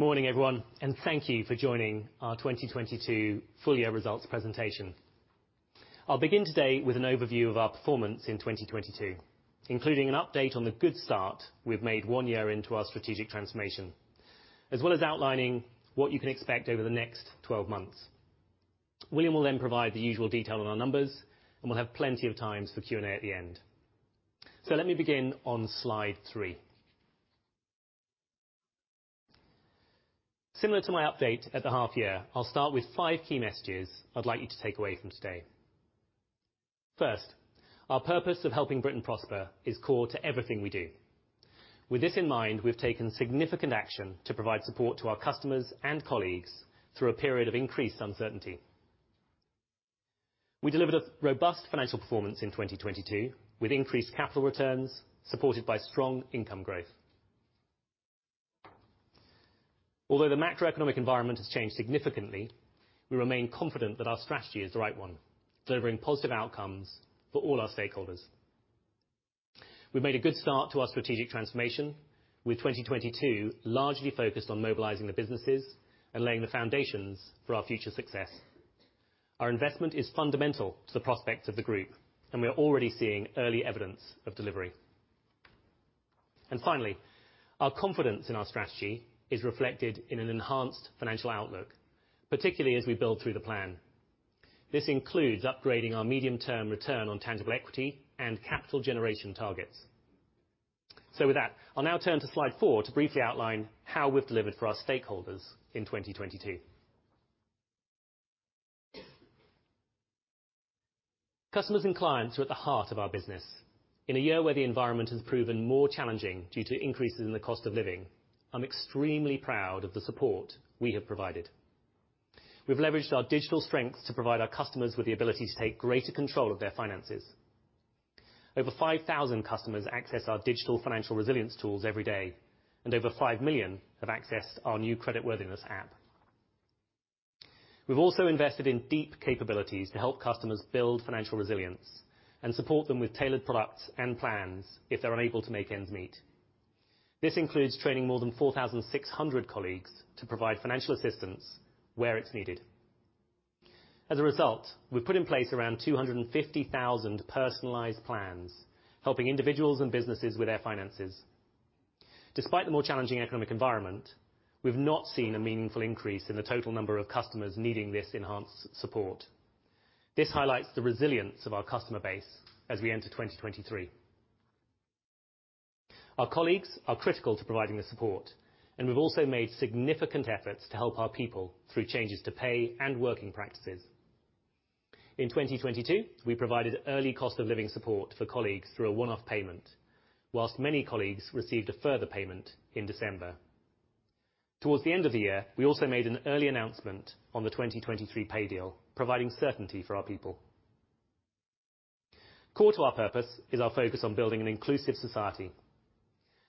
Morning, everyone, thank you for joining our 2022 Full Year Results presentation. I'll begin today with an overview of our performance in 2022, including an update on the good start we've made one year into our strategic transformation, as well as outlining what you can expect over the next 12 months. William will then provide the usual detail on our numbers, and we'll have plenty of time for Q&A at the end. Let me begin on slide three. Similar to my update at the half year, I'll start five key messages I'd like you to take away from today. First, our purpose of Helping Britain Prosper is core to everything we do. With this in mind, we've taken significant action to provide support to our customers and colleagues through a period of increased uncertainty. We delivered a robust financial performance in 2022 with increased capital returns, supported by strong income growth. Although the macroeconomic environment has changed significantly, we remain confident that our strategy is the right one, delivering positive outcomes for all our stakeholders. We've made a good start to our strategic transformation, with 2022 largely focused on mobilizing the businesses and laying the foundations for our future success. Our investment is fundamental to the of the group, and we are already seeing early evidence of delivery. Finally, our confidence in our strategy is reflected in an enhanced financial outlook, particularly as we build through the plan. This includes upgrading our medium-term return on tangible equity and capital generation targets. With that, I'll now turn to slide four to briefly outline how we've delivered for our stakeholders in 2022. Customers and clients are at the heart of our business. In a year where the environment has proven more challenging due to increases in the cost of living, I'm extremely proud of the support we have provided. We've leveraged our digital strengths to provide our customers with the ability to take greater control of their finances. Over 5,000 customers access our digital financial resilience tools every day, and over 5 million have accessed our new creditworthiness app. We've also invested in deep capabilities to help customers build financial resilience and support them with tailored products and plans if they're unable to make ends meet. This includes training more than 4,600 colleagues to provide financial assistance where it's needed. As a result, we've put in place around 250,000 personalized plans, helping individuals and businesses with their finances. Despite the more challenging economic environment, we've not seen a meaningful increase in the total number of customers needing this enhanced support. This highlights the resilience of our customer base as we enter 2023. Our colleagues are critical to providing the support, and we've also made significant efforts to help our people through changes to pay and working practices. In 2022, we provided early cost of living support for colleagues through a one-off payment, whilst many colleagues received a further payment in December. Towards the end of the year, we also made an early announcement on the 2023 pay deal, providing certainty for our people. Core to our purpose is our focus on building an inclusive society.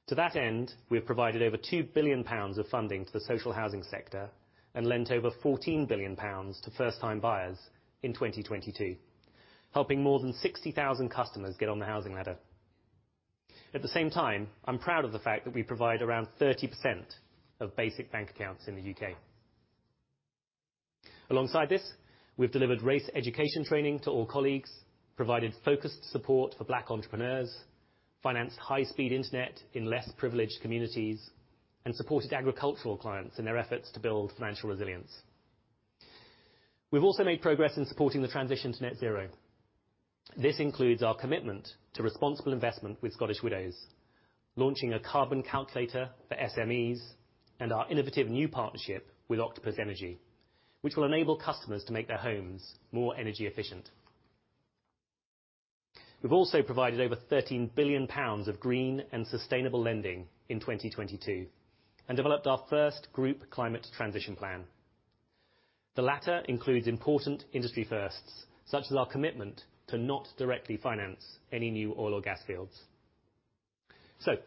To that end, we have provided over 2 billion pounds of funding to the social housing sector and lent over 14 billion pounds to first-time buyers in 2022, helping more than 60,000 customers get on the housing ladder. At the same time, I'm proud of the fact that we provide around 30% of basic bank accounts in the U.K. Alongside this, we've delivered race education training to all colleagues, provided focused support for Black Entrepreneurs, financed high-speed internet in less privileged communities, and supported agricultural clients in their efforts to build financial resilience. We've also made progress in supporting the transition to Net Zero. This includes our commitment to responsible investment with Scottish Widows, launching a carbon calculator for SMEs, and our innovative new partnership with Octopus Energy, which will enable customers to make their homes more energy efficient. We've also provided over 13 billion pounds of green and sustainable lending in 2022 and developed our first group climate transition plan. The latter includes important industry firsts, such as our commitment to not directly finance any new oil or gas fields.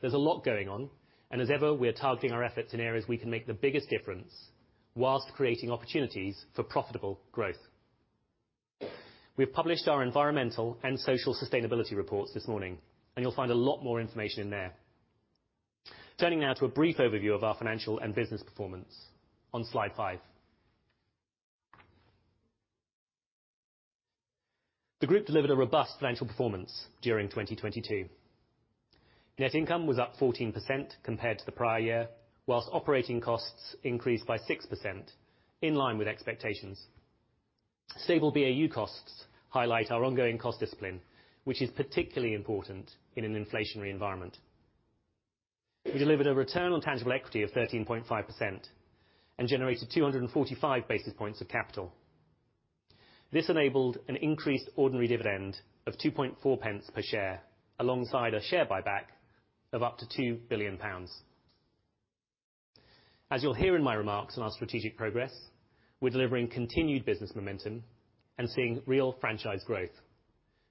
There's a lot going on, and as ever, we are targeting our efforts in areas we can make the biggest difference whilst creating opportunities for profitable growth. We've published our environmental and social sustainability reports this morning, and you'll find a lot more information in there. Turning now to a brief overview of our financial and business performance on slide five. The group delivered a robust financial performance during 2022. Net income was up 14% compared to the prior year, whilst operating costs increased by 6% in line with expectations. Stable BAU costs highlight our ongoing cost discipline, which is particularly important in an inflationary environment. We delivered a return on tangible equity of 13.5% and generated 245 basis points of capital. This enabled an increased ordinary dividend of 0.024 per share alongside a share buyback of up to 2 billion pounds. As you'll hear in my remarks on our strategic progress, we're delivering continued business momentum and seeing real franchise growth.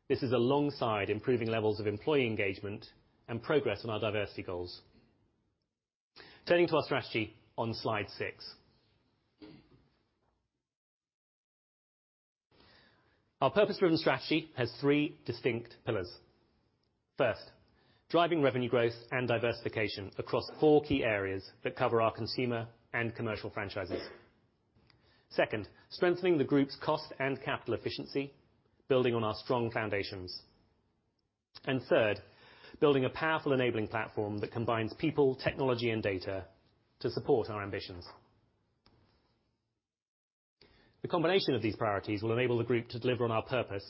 This is alongside improving levels of employee engagement and progress on our diversity goals. Turning to our strategy on slide 6. Our purpose-driven strategy has three distinct pillars. First, driving revenue growth and diversification across four key areas that cover our consumer and commercial franchises. Second, strengthening the group's cost and capital efficiency, building on our strong foundations. Third, building a powerful enabling platform that combines people, technology, and data to support our ambitions. The combination of these priorities will enable the group to deliver on our purpose,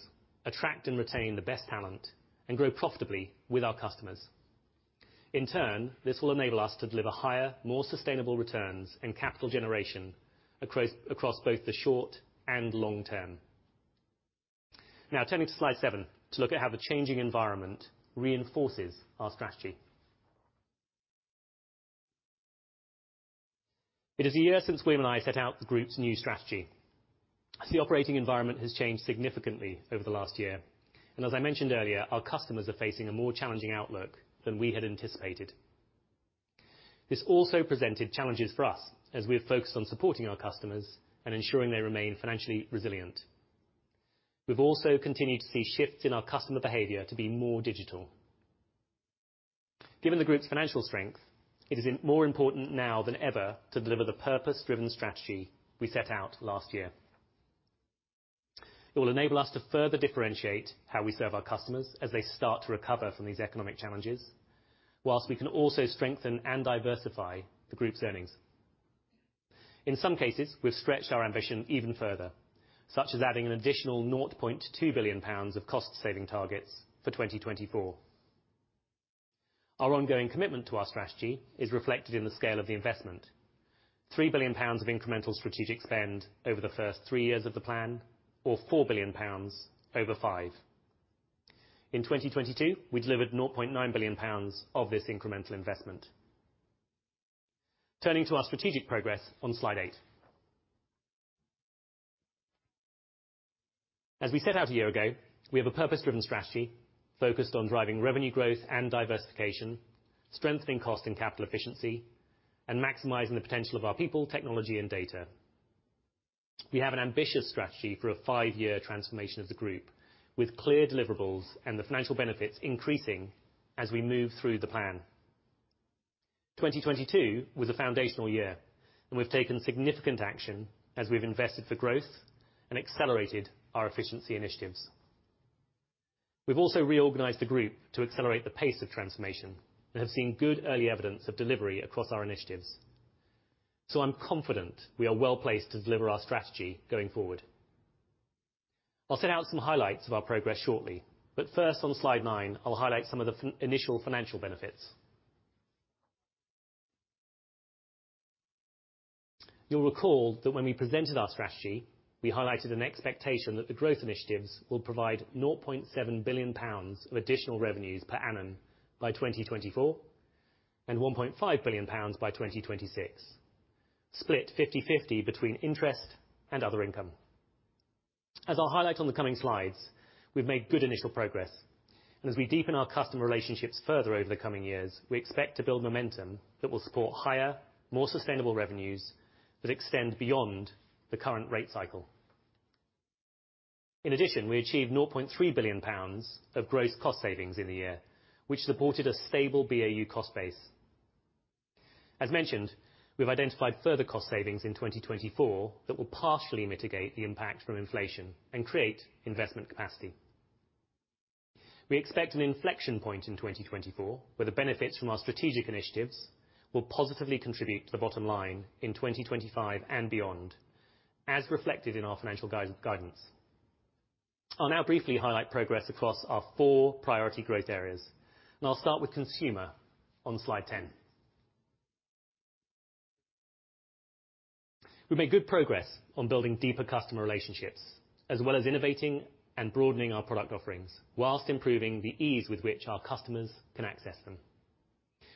attract and retain the best talent, and grow profitably with our customers. In turn, this will enable us to deliver higher, more sustainable returns and capital generation across both the short and long term. Now turning to slide seven to look at how the changing environment reinforces our strategy. It is a year since we and I set out the group's new strategy. The operating environment has changed significantly over the last year, and as I mentioned earlier, our customers are facing a more challenging outlook than we had anticipated. This also presented challenges for us as we have focused on supporting our customers and ensuring they remain financially resilient. We've also continued to see shifts in our customer behavior to be more digital. Given the group's financial strength, it is more important now than ever to deliver the purpose-driven strategy we set out last year. It will enable us to further differentiate how we serve our customers as they start to recover from these economic challenges, whilst we can also strengthen and diversify the group's earnings. In some cases, we've stretched our ambition even further, such as adding an additional 0.2 billion pounds of cost saving targets for 2024. Our ongoing commitment to our strategy is reflected in the scale of the investment. 3 billion pounds of incremental strategic spend over the first three years of the plan, or 4 billion pounds over five. In 2022, we delivered 0.9 billion pounds of this incremental investment. Turning to our strategic progress on slide eight. As we set out a year ago, we have a purpose-driven strategy focused on driving revenue growth and diversification, strengthening cost and capital efficiency, and maximizing the potential of our people, technology, and data. We have an ambitious strategy for a five-year transformation of the group with clear deliverables and the financial benefits increasing as we move through the plan. 2022 was a foundational year, and we've taken significant action as we've invested for growth and accelerated our efficiency initiatives. We've also reorganized the group to accelerate the pace of transformation and have seen good early evidence of delivery across our initiatives. I'm confident we are well-placed to deliver our strategy going forward. I'll set out some highlights of our progress shortly, but first on slide nine, I'll highlight some of the initial financial benefits. You'll recall that when we presented our strategy, we highlighted an expectation that the growth initiatives will provide 0.7 billion pounds of additional revenues per annum by 2024 and 1.5 billion pounds by 2026, split 50/50 between interest and other income. As I'll highlight on the coming slides, we've made good initial progress, and as we deepen our customer relationships further over the coming years, we expect to build momentum that will support higher, more sustainable revenues that extend beyond the current rate cycle. In addition, we achieved 0.3 billion pounds of gross cost savings in the year, which supported a stable BAU cost base. As mentioned, we've identified further cost savings in 2024 that will partially mitigate the impact from inflation and create investment capacity. We expect an inflection point in 2024, where the benefits from our strategic initiatives will positively contribute to the bottom line in 2025 and beyond, as reflected in our financial guidance. I'll now briefly highlight progress across our four priority growth areas, and I'll start with consumer on slide 10. We've made good progress on building deeper customer relationships, as well as innovating and broadening our product offerings whilst improving the ease with which our customers can access them.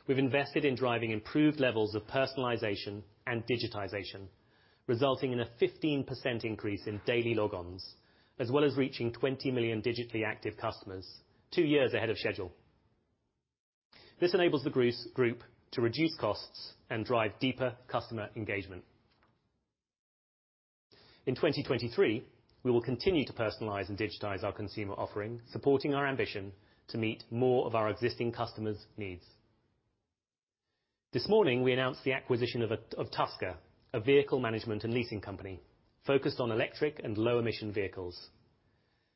We've invested in driving improved levels of personalization and digitization, resulting in a 15% increase in daily logons, as well as reaching 20 million digitally active customers two years ahead of schedule. This enables the group to reduce costs and drive deeper customer engagement. In 2023, we will continue to personalize and digitize our consumer offering, supporting our ambition to meet more of our existing customers' needs. This morning, we announced the acquisition of Tusker, a vehicle management and leasing company focused on electric and low-emission vehicles.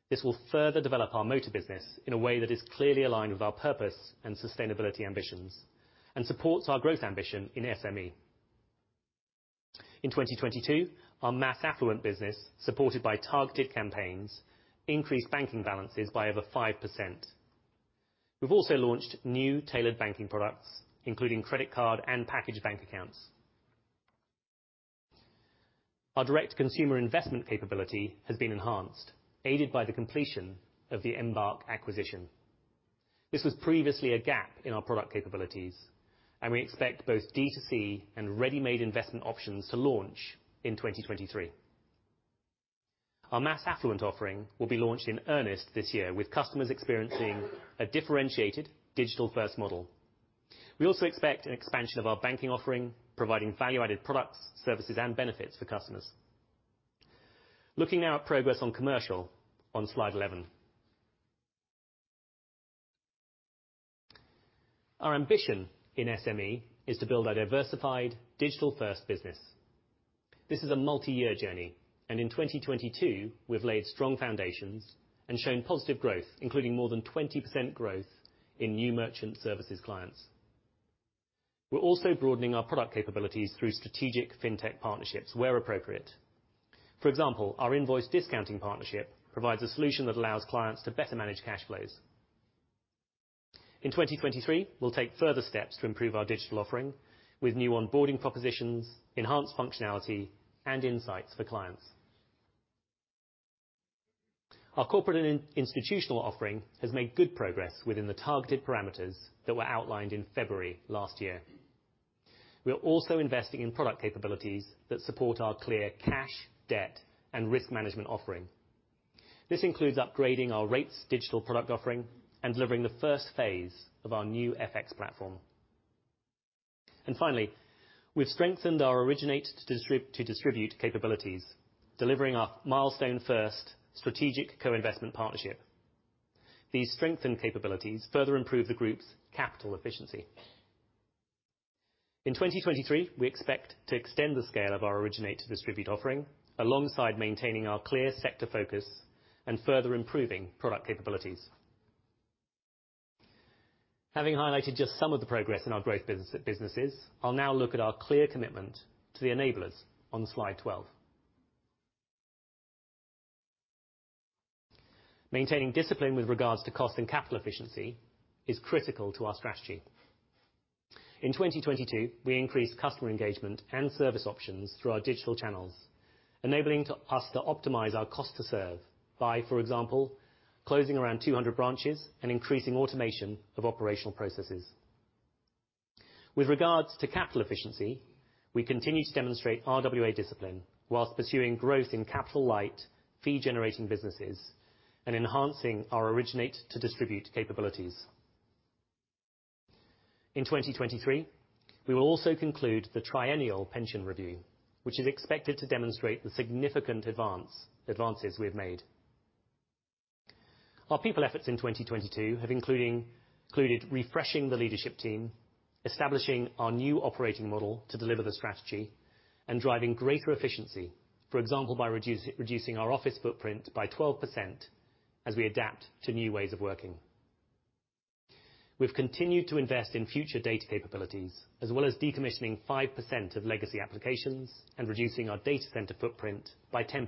This will further develop our motor business in a way that is clearly aligned with our purpose and sustainability ambitions and supports our growth ambition in SME. In 2022, our mass affluent business, supported by targeted campaigns, increased banking balances by over 5%. We've also launched new tailored banking products, including credit card and packaged bank accounts. Our direct consumer investment capability has been enhanced, aided by the completion of the Embark acquisition. This was previously a gap in our product capabilities. We expect both D2C and ready-made investment options to launch in 2023. Our mass affluent offering will be launched in earnest this year with customers experiencing a differentiated digital-first model. We also expect an expansion of our banking offering, providing value-added products, services, and benefits for customers. Looking now at progress on commercial on slide 11. Our ambition in SME is to build a diversified digital-first business. This is a multi-year journey, and in 2022 we've laid strong foundations and shown positive growth, including more than 20% growth in new merchant services clients. We're also broadening our product capabilities through strategic fintech partnerships where appropriate. For example, our invoice discounting partnership provides a solution that allows clients to better manage cash flows. In 2023, we'll take further steps to improve our digital offering with new onboarding propositions, enhanced functionality and insights for clients. Our corporate and institutional offering has made good progress within the targeted parameters that were outlined in February last year. We are also investing in product capabilities that support our clear cash, debt, and risk management offering. This includes upgrading our rates digital product offering and delivering the first phase of our new FX platform. Finally, we've strengthened our originate-to-distribute capabilities, delivering our milestone first strategic co-investment partnership. These strengthened capabilities further improve the group's capital efficiency. In 2023, we expect to extend the scale of our originate-to-distribute offering alongside maintaining our clear sector focus and further improving product capabilities. Having highlighted just some of the progress in our growth businesses, I'll now look at our clear commitment to the enablers on slide 12. Maintaining discipline with regards to cost and capital efficiency is critical to our strategy. In 2022, we increased customer engagement and service options through our digital channels, enabling to us to optimize our cost to serve by, for example, closing around 200 branches and increasing automation of operational processes. With regards to capital efficiency, we continue to demonstrate RWA discipline whilst pursuing growth in capital light fee generating businesses and enhancing our originate-to-distribute capabilities. In 2023, we will also conclude the triennial pension review, which is expected to demonstrate the significant advances we have made. Our people efforts in 2022 have included refreshing the leadership team, establishing our new operating model to deliver the strategy, and driving greater efficiency, for example, by reducing our office footprint by 12% as we adapt to new ways of working. We've continued to invest in future data capabilities as well as decommissioning 5% of legacy applications and reducing our data center footprint by 10%.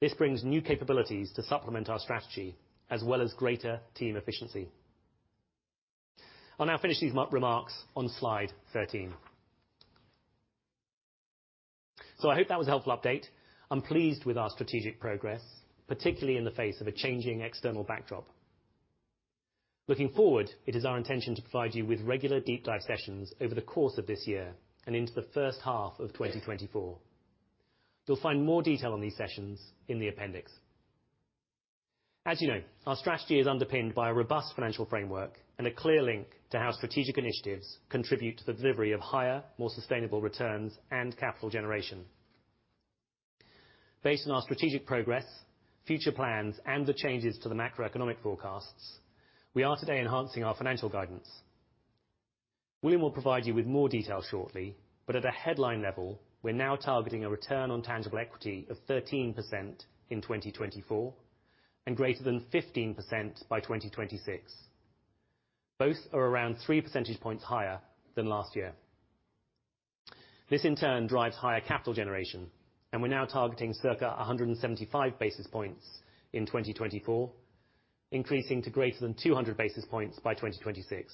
This brings new capabilities to supplement our strategy as well as greater team efficiency. I'll now finish these remarks on slide 13. I hope that was a helpful update. I'm pleased with our strategic progress, particularly in the face of a changing external backdrop. Looking forward, it is our intention to provide you with regular deep dive sessions over the course of this year and into the first half of 2024. You'll find more detail on these sessions in the appendix. As you know, our strategy is underpinned by a robust financial framework and a clear link to how strategic initiatives contribute to the delivery of higher, more sustainable returns and capital generation. Based on our strategic progress, future plans, and the changes to the macroeconomic forecasts, we are today enhancing our financial guidance. William will provide you with more detail shortly, but at a headline level, we're now targeting a return on tangible equity of 13% in 2024 and greater than 15% by 2026. Both are around 3 percentage points higher than last year. This in turn drives higher capital generation, and we're now targeting circa 175 basis points in 2024, increasing to greater than 200 basis points by 2026.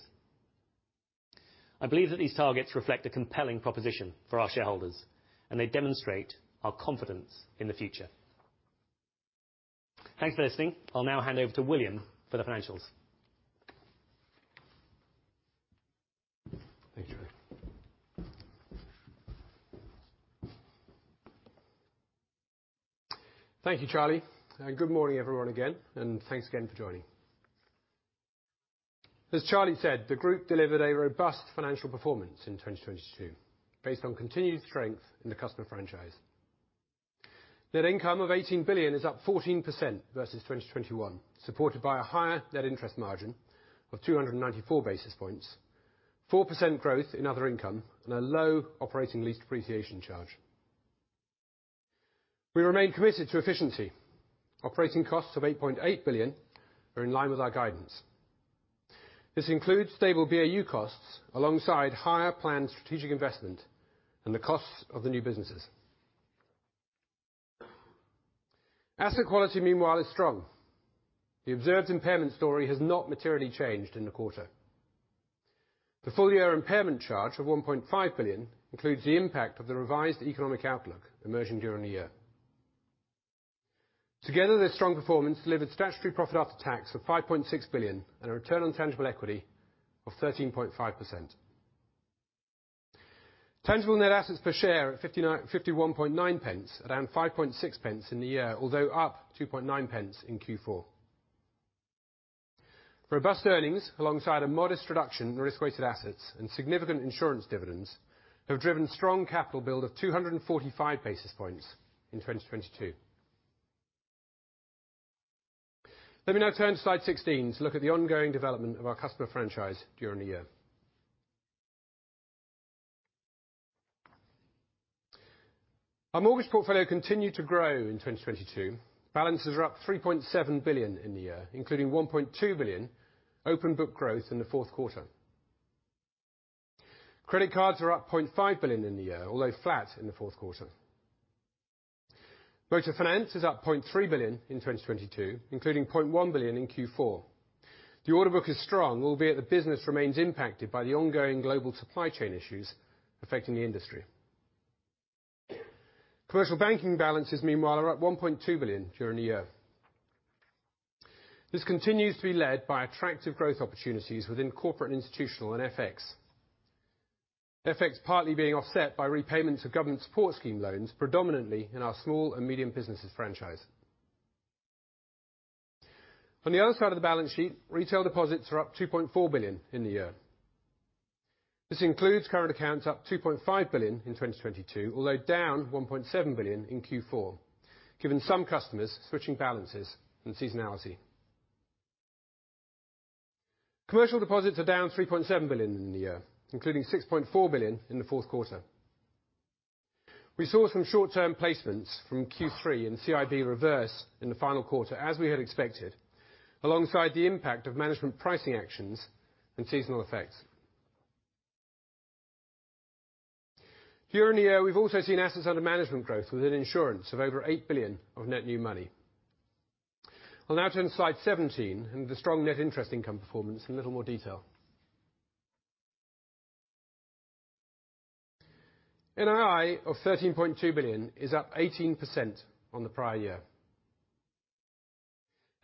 I believe that these targets reflect a compelling proposition for our shareholders, and they demonstrate our confidence in the future. Thanks for listening. I'll now hand over to William for the financials. Thank you. Thank you, Charlie. Good morning everyone again, and thanks again for joining. As Charlie said, the group delivered a robust financial performance in 2022 based on continued strength in the customer franchise. Net income of 18 billion is up 14% versus 2021, supported by a higher net interest margin of 294 basis points, 4% growth in other income, and a low operating lease depreciation charge. We remain committed to efficiency. Operating costs of 8.8 billion are in line with our guidance. This includes stable BAU costs alongside higher planned strategic investment and the costs of the new businesses. Asset quality, meanwhile, is strong. The observed impairment story has not materially changed in the quarter. The full year impairment charge of 1.5 billion includes the impact of the revised economic outlook emerging during the year. Together, this strong performance delivered statutory profit after tax of 5.6 billion and a return on tangible equity of 13.5%. Tangible net assets per share at 0.519, around 0.056 in the year, although up 0.029 in Q4. Robust earnings alongside a modest reduction in risk-weighted assets and significant insurance dividends have driven strong capital build of 245 basis points in 2022. Let me now turn to slide 16 to look at the ongoing development of our customer franchise during the year. Our mortgage portfolio continued to grow in 2022. Balances are up 3.7 billion in the year, including 1.2 billion open book growth in the fourth quarter. Credit cards are up 0.5 billion in the year, although flat in the fourth quarter. Motor finance is up 0.3 billion in 2022, including 0.1 billion in Q4. The order book is strong, albeit the business remains impacted by the ongoing global supply chain issues affecting the industry. Commercial banking balances meanwhile are up 1.2 billion during the year. This continues to be led by attractive growth opportunities within corporate institutional and FX. FX partly being offset by repayments of government support scheme loans, predominantly in our small and medium businesses franchise. On the other side of the balance sheet, retail deposits are up 2.4 billion in the year. This includes current accounts up 2.5 billion in 2022, although down 1.7 billion in Q4, given some customers switching balances and seasonality. Commercial deposits are down 3.7 billion in the year, including 6.4 billion in the fourth quarter. We saw some short-term placements from Q3 and CIB reverse in the final quarter, as we had expected, alongside the impact of management pricing actions and seasonal effects. During the year, we've also seen assets under management growth within insurance of over 8 billion of net new money. I'll now turn to slide 17 and the strong net interest income performance in a little more detail. NII of 13.2 billion is up 18% on the prior year.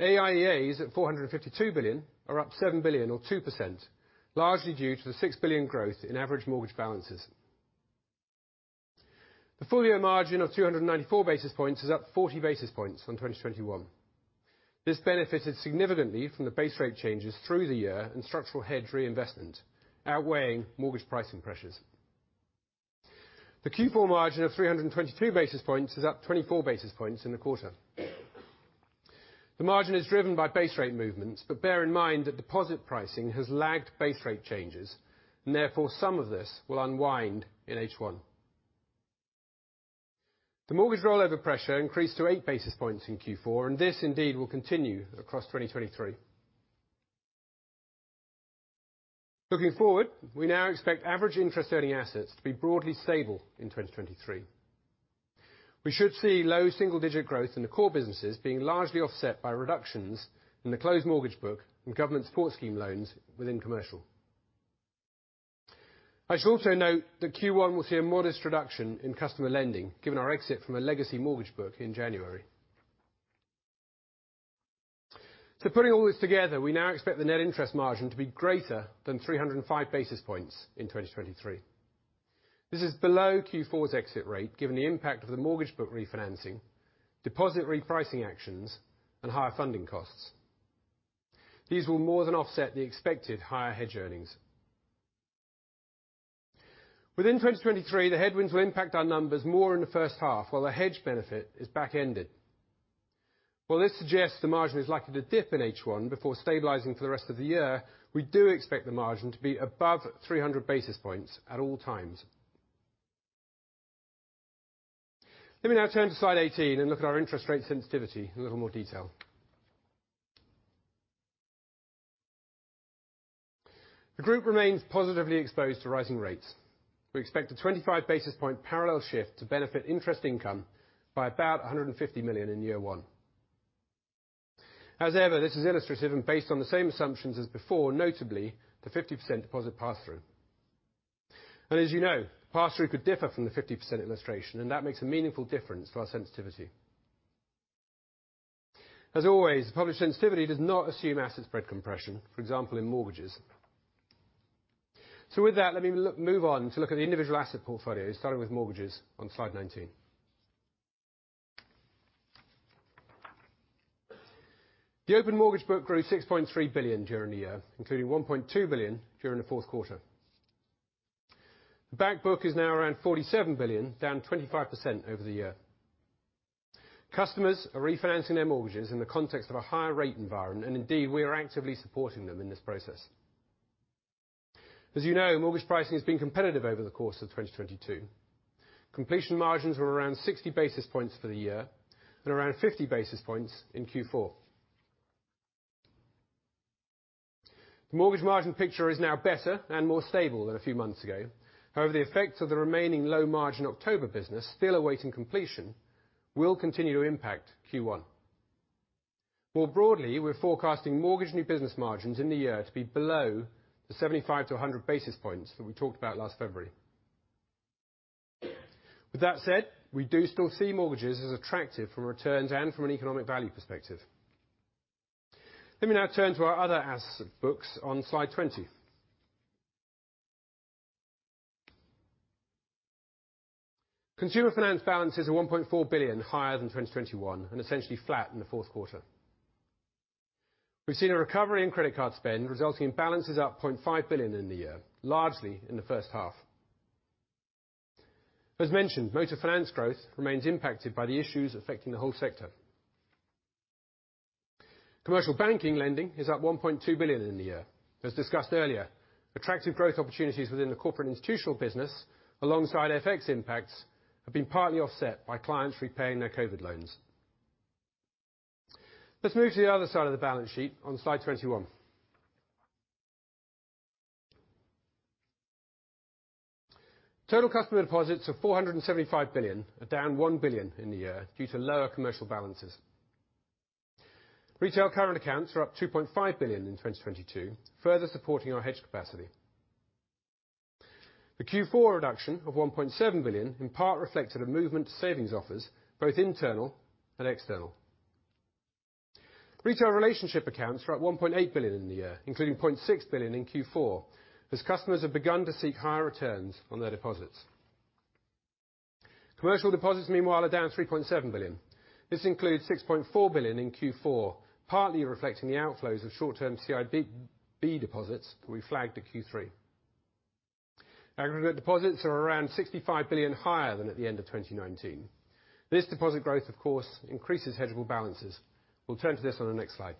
AIEAs at 452 billion are up 7 billion or 2%, largely due to the 6 billion growth in average mortgage balances. The full year margin of 294 basis points is up 40 basis points on 2021. This benefited significantly from the base rate changes through the year and structural hedge reinvestment, outweighing mortgage pricing pressures. The Q4 margin of 322 basis points is up 24 basis points in the quarter. The margin is driven by base rate movements, but bear in mind that deposit pricing has lagged base rate changes, and therefore some of this will unwind in H1. The mortgage rollover pressure increased to 8 basis points in Q4, and this indeed will continue across 2023. Looking forward, we now expect Average Interest-Earning Assets to be broadly stable in 2023. We should see low single-digit growth in the core businesses being largely offset by reductions in the closed mortgage book and government support scheme loans within commercial. I should also note that Q1 will see a modest reduction in customer lending, given our exit from a legacy mortgage book in January. Putting all this together, we now expect the net interest margin to be greater than 305 basis points in 2023. This is below Q4's exit rate, given the impact of the mortgage book refinancing, deposit repricing actions, and higher funding costs. These will more than offset the expected higher hedge earnings. Within 2023, the headwinds will impact our numbers more in the first half, while the hedge benefit is backended. While this suggests the margin is likely to dip in H1 before stabilizing for the rest of the year, we do expect the margin to be above 300 basis points at all times. Let me now turn to slide 18 and look at our interest rate sensitivity in a little more detail. The group remains positively exposed to rising rates. We expect a 25 basis point parallel shift to benefit interest income by about 150 million in year one. As ever, this is illustrative and based on the same assumptions as before, notably the 50% deposit pass-through. As you know, pass-through could differ from the 50% illustration, and that makes a meaningful difference to our sensitivity. As always, the published sensitivity does not assume asset spread compression, for example, in mortgages. With that, let me move on to look at the individual asset portfolios, starting with mortgages on slide 19. The open mortgage book grew 6.3 billion during the year, including 1.2 billion during the fourth quarter. The back book is now around 47 billion, down 25% over the year. Customers are refinancing their mortgages in the context of a higher rate environment, and indeed, we are actively supporting them in this process. As you know, mortgage pricing has been competitive over the course of 2022. Completion margins were around 60 basis points for the year and around 50 basis points in Q4. The mortgage margin picture is now better and more stable than a few months ago. The effects of the remaining low margin October business still awaiting completion will continue to impact Q1. More broadly, we're forecasting mortgage new business margins in the year to be below the 75-100 basis points that we talked about last February. With that said, we do still see mortgages as attractive from returns and from an economic value perspective. Let me now turn to our other asset books on slide 20. Consumer finance balances are 1.4 billion higher than 2021, essentially flat in the fourth quarter. We've seen a recovery in credit card spend resulting in balances up 0.5 billion in the year, largely in the first half. As mentioned, motor finance growth remains impacted by the issues affecting the whole sector. Commercial banking lending is up 1.2 billion in the year. As discussed earlier, attractive growth opportunities within the corporate institutional business alongside FX impacts have been partly offset by clients repaying their COVID loans. Let's move to the other side of the balance sheet on slide 21. Total customer deposits of 475 billion are down 1 billion in the year due to lower commercial balances. Retail current accounts are up 2.5 billion in 2022, further supporting our hedge capacity. The Q4 reduction of 1.7 billion in part reflected a movement to savings offers both internal and external. Retail relationship accounts are up 1.8 billion in the year, including 0.6 billion in Q4, as customers have begun to seek higher returns on their deposits. Commercial deposits meanwhile are down 3.7 billion. This includes 6.4 billion in Q4, partly reflecting the outflows of short-term CIB deposits that we flagged at Q3. Aggregate deposits are around 65 billion higher than at the end of 2019. This deposit growth, of course, increases hedgeable balances. We'll turn to this on the next slide.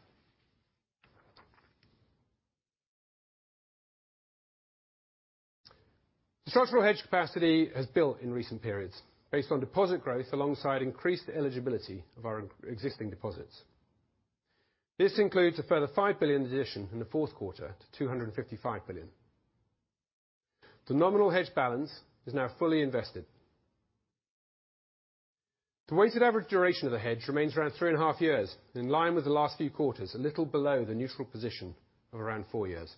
The structural hedge capacity has built in recent periods based on deposit growth alongside increased eligibility of our existing deposits. This includes a further 5 billion addition in the fourth quarter to 255 billion. The nominal hedge balance is now fully invested. The weighted average duration of the hedge remains around 3.5 years, in line with the last few quarters, a little below the neutral position of around four years.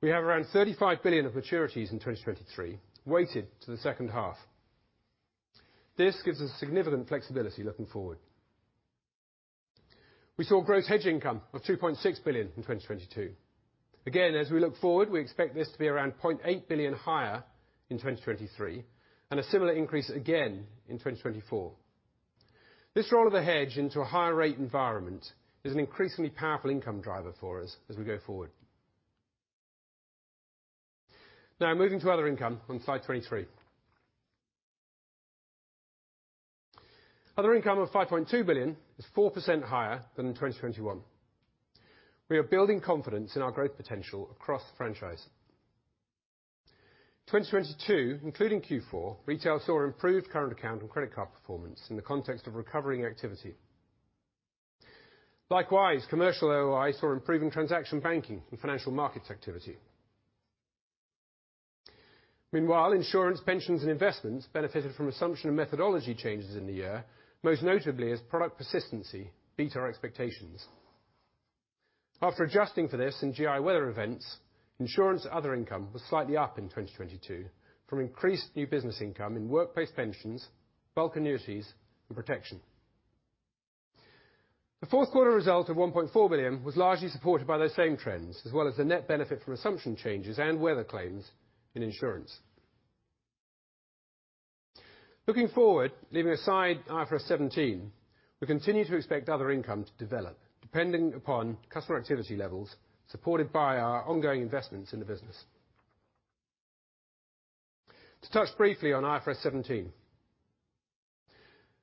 We have around 35 billion of maturities in 2023 weighted to the second half. This gives us significant flexibility looking forward. We saw gross hedge income of 2.6 billion in 2022. As we look forward, we expect this to be around 0.8 billion higher in 2023 and a similar increase again in 2024. This roll of a hedge into a higher rate environment is an increasingly powerful income driver for us as we go forward. Moving to other income on slide 23. Other income of 5.2 billion is 4% higher than in 2021. We are building confidence in our growth potential across the franchise. 2022, including Q4, retail saw improved current account and credit card performance in the context of recovering activity. Likewise, commercial LOI saw improving transaction banking and financial markets activity. Meanwhile, insurance, pensions, and investments benefited from assumption and methodology changes in the year, most notably as product persistency beat our expectations. After adjusting for this in GI weather events, insurance other income was slightly up in 2022 from increased new business income in workplace pensions, bulk annuities and protection. The fourth quarter result of 1.4 billion was largely supported by those same trends, as well as the net benefit from assumption changes and weather claims in insurance. Looking forward, leaving aside IFRS 17, we continue to expect other income to develop depending upon customer activity levels supported by our ongoing investments in the business. To touch briefly on IFRS 17.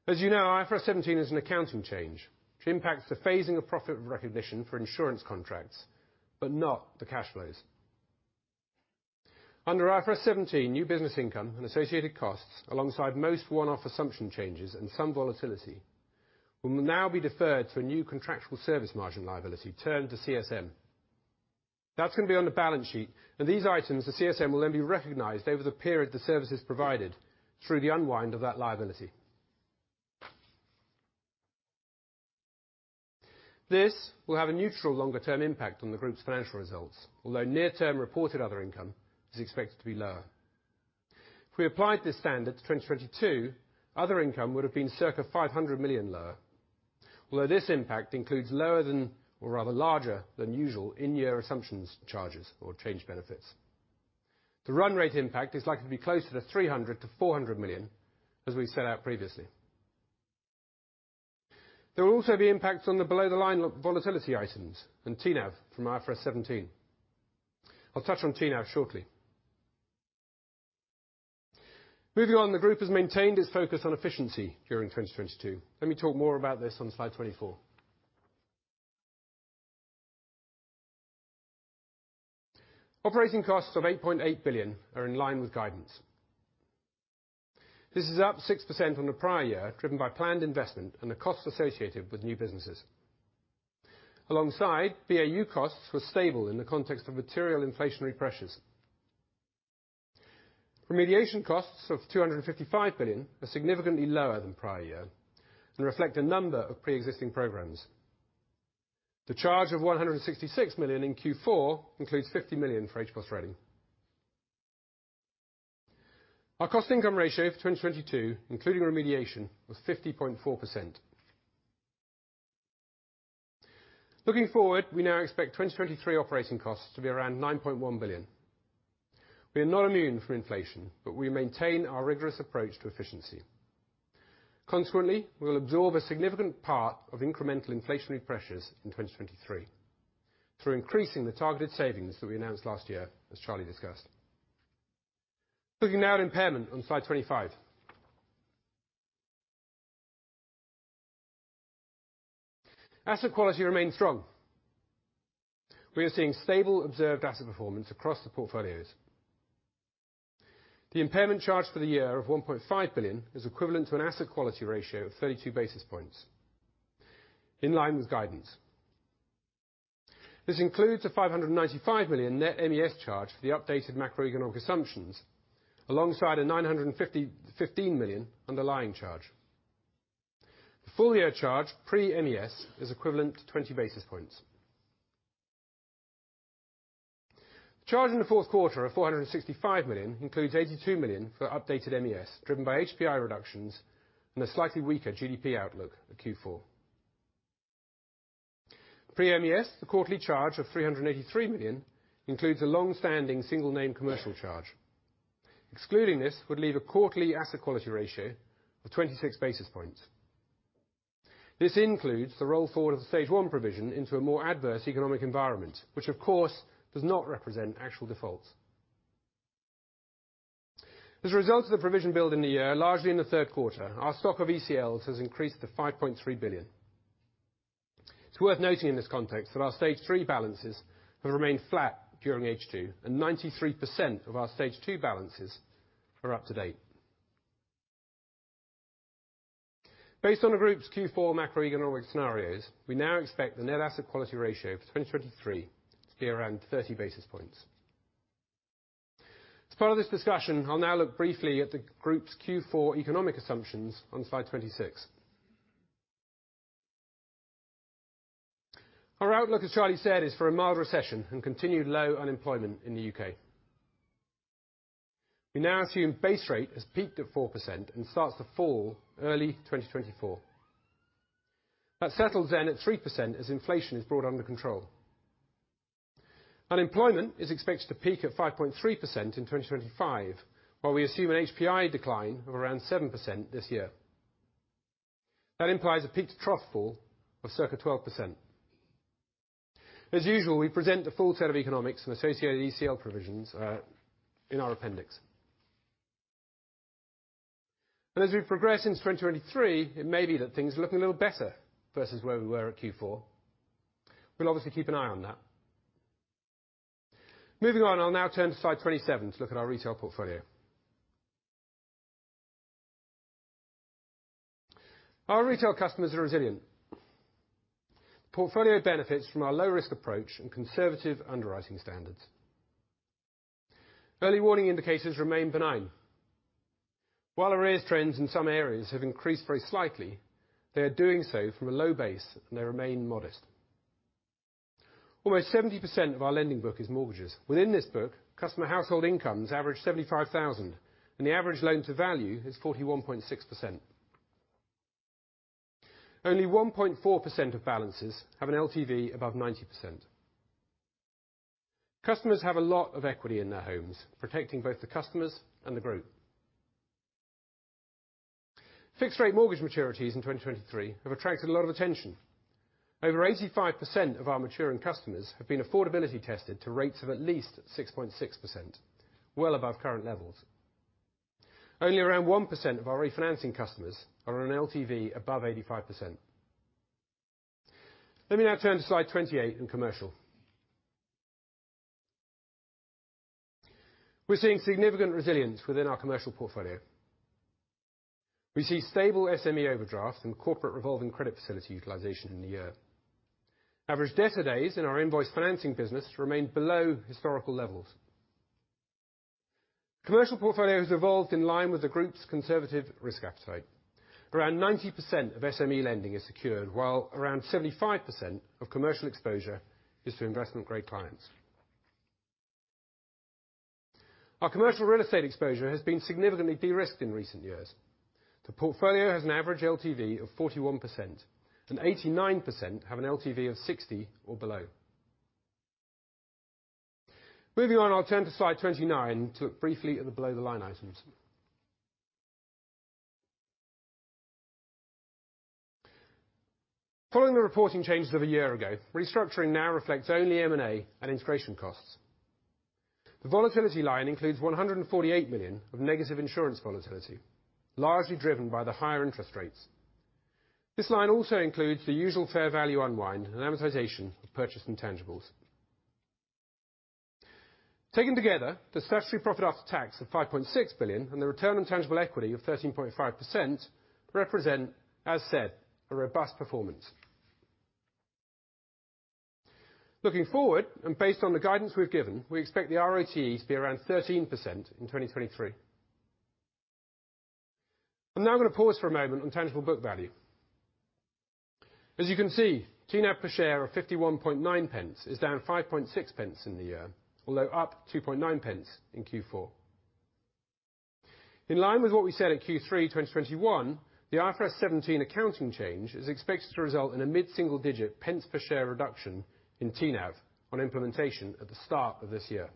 As you know, IFRS 17 is an accounting change. It impacts the phasing of profit recognition for insurance contracts, but not the cash flows. Under IFRS 17, new business income and associated costs, alongside most one-off assumption changes and some volatility, will now be deferred to a new contractual service margin liability, turned to CSM. That's gonna be on the balance sheet, these items, the CSM, will then be recognized over the period the service is provided through the unwind of that liability. This will have a neutral longer-term impact on the group's financial results, although near term reported Other income is expected to be lower. If we applied this standard to 2022, Other income would have been circa 500 million lower, although this impact includes lower than or rather larger than usual in-year assumptions charges or change benefits. The run rate impact is likely to be closer to 300 million-400 million, as we set out previously. There will also be impacts on the below the line volatility items and TNAV from IFRS 17. I'll touch on TNAV shortly. Moving on, the group has maintained its focus on efficiency during 2022. Let me talk more about this on slide 24. Operating costs of 8.8 billion are in line with guidance. This is up 6% on the prior year, driven by planned investment and the costs associated with new businesses. Alongside, BAU costs were stable in the context of material inflationary pressures. Remediation costs of 255 billion are significantly lower than prior year and reflect a number of pre-existing programs. The charge of 166 million in Q4 includes 50 million for HBOS rating. Our cost income ratio for 2022, including remediation, was 50.4%. Looking forward, we now expect 2023 operating costs to be around 9.1 billion. We are not immune from inflation, but we maintain our rigorous approach to efficiency. Consequently, we will absorb a significant part of incremental inflationary pressures in 2023 through increasing the targeted savings that we announced last year, as Charlie discussed. Looking now at impairment on slide 25. Asset quality remains strong. We are seeing stable observed asset performance across the portfolios. The impairment charge for the year of 1.5 billion is equivalent to an asset quality ratio of 32 basis points, in line with guidance. This includes a 595 million net MES charge for the updated macroeconomic assumptions, alongside a 915 million underlying charge. The full year charge pre-MES is equivalent to 20 basis points. The charge in the fourth quarter of 465 million includes 82 million for updated MES, driven by HPI reductions and a slightly weaker GDP outlook at Q4. Pre-MES, the quarterly charge of 383 million includes a long-standing single name commercial charge. Excluding this would leave a quarterly asset quality ratio of 26 basis points. This includes the roll forward of the stage one provision into a more adverse economic environment, which of course does not represent actual defaults. As a result of the provision build in the year, largely in the third quarter, our stock of ECLs has increased to 5.3 billion. It's worth noting in this context that our stage three balances have remained flat during H2, and 93% of our stage two balances are up to date. Based on the group's Q4 macroeconomic scenarios, we now expect the net asset quality ratio for 2023 to be around 30 basis points. As part of this discussion, I'll now look briefly at the group's Q4 economic assumptions on slide 26. Our outlook, as Charlie said, is for a mild recession and continued low unemployment in the U.K. We now assume base rate has peaked at 4% and starts to fall early 2024. That settles in at 3% as inflation is brought under control. Unemployment is expected to peak at 5.3% in 2025, while we assume an HPI decline of around 7% this year. That implies a peak to trough fall of circa 12%. As usual, we present the full set of economics and associated ECL provisions in our appendix. As we progress into 2023, it may be that things are looking a little better versus where we were at Q4. We'll obviously keep an eye on that. Moving on, I'll now turn to slide 27 to look at our retail portfolio. Our retail customers are resilient. Portfolio benefits from our low risk approach and conservative underwriting standards. Early warning indicators remain benign. While arrears trends in some areas have increased very slightly, they are doing so from a low base, and they remain modest. Almost 70% of our lending book is mortgages. Within this book, customer household incomes average 75,000, and the average loan to value is 41.6%. Only 1.4% of balances have an LTV above 90%. Customers have a lot of equity in their homes, protecting both the customers and the group. Fixed rate mortgage maturities in 2023 have attracted a lot of attention. Over 85% of our maturing customers have been affordability tested to rates of at least 6.6%, well above current levels. Only around 1% of our refinancing customers are on an LTV above 85%. Let me now turn to slide 28 in commercial. We're seeing significant resilience within our commercial portfolio. We see stable SME overdraft and corporate revolving credit facility utilization in the year. Average debtor days in our invoice financing business remain below historical levels. Commercial portfolio has evolved in line with the group's conservative risk appetite. Around 90% of SME lending is secured, while around 75% of commercial exposure is to investment grade clients. Our commercial real estate exposure has been significantly de-risked in recent years. The portfolio has an average LTV of 41%, and 89% have an LTV of 60 or below. I'll turn to slide 29 to look briefly at the below-the-line items. Following the reporting changes of a year ago, restructuring now reflects only M&A and integration costs. The volatility line includes 148 million of negative insurance volatility, largely driven by the higher interest rates. This line also includes the usual fair value unwind and amortization of purchase intangibles. Taken together, the statutory profit after tax of 5.6 billion and the return on tangible equity of 13.5% represent, as said, a robust performance. Looking forward, and based on the guidance we've given, we expect the RoTE to be around 13% in 2023. I'm now gonna pause for a moment on tangible book value. As you can see, TNAV per share of 0.519 is down 0.056 in the year, although up 0.029 in Q4. In line with what we said in Q3 2021, the IFRS 17 accounting change is expected to result in a mid-single digit pence per share reduction in TNAV on implementation at the start of this year.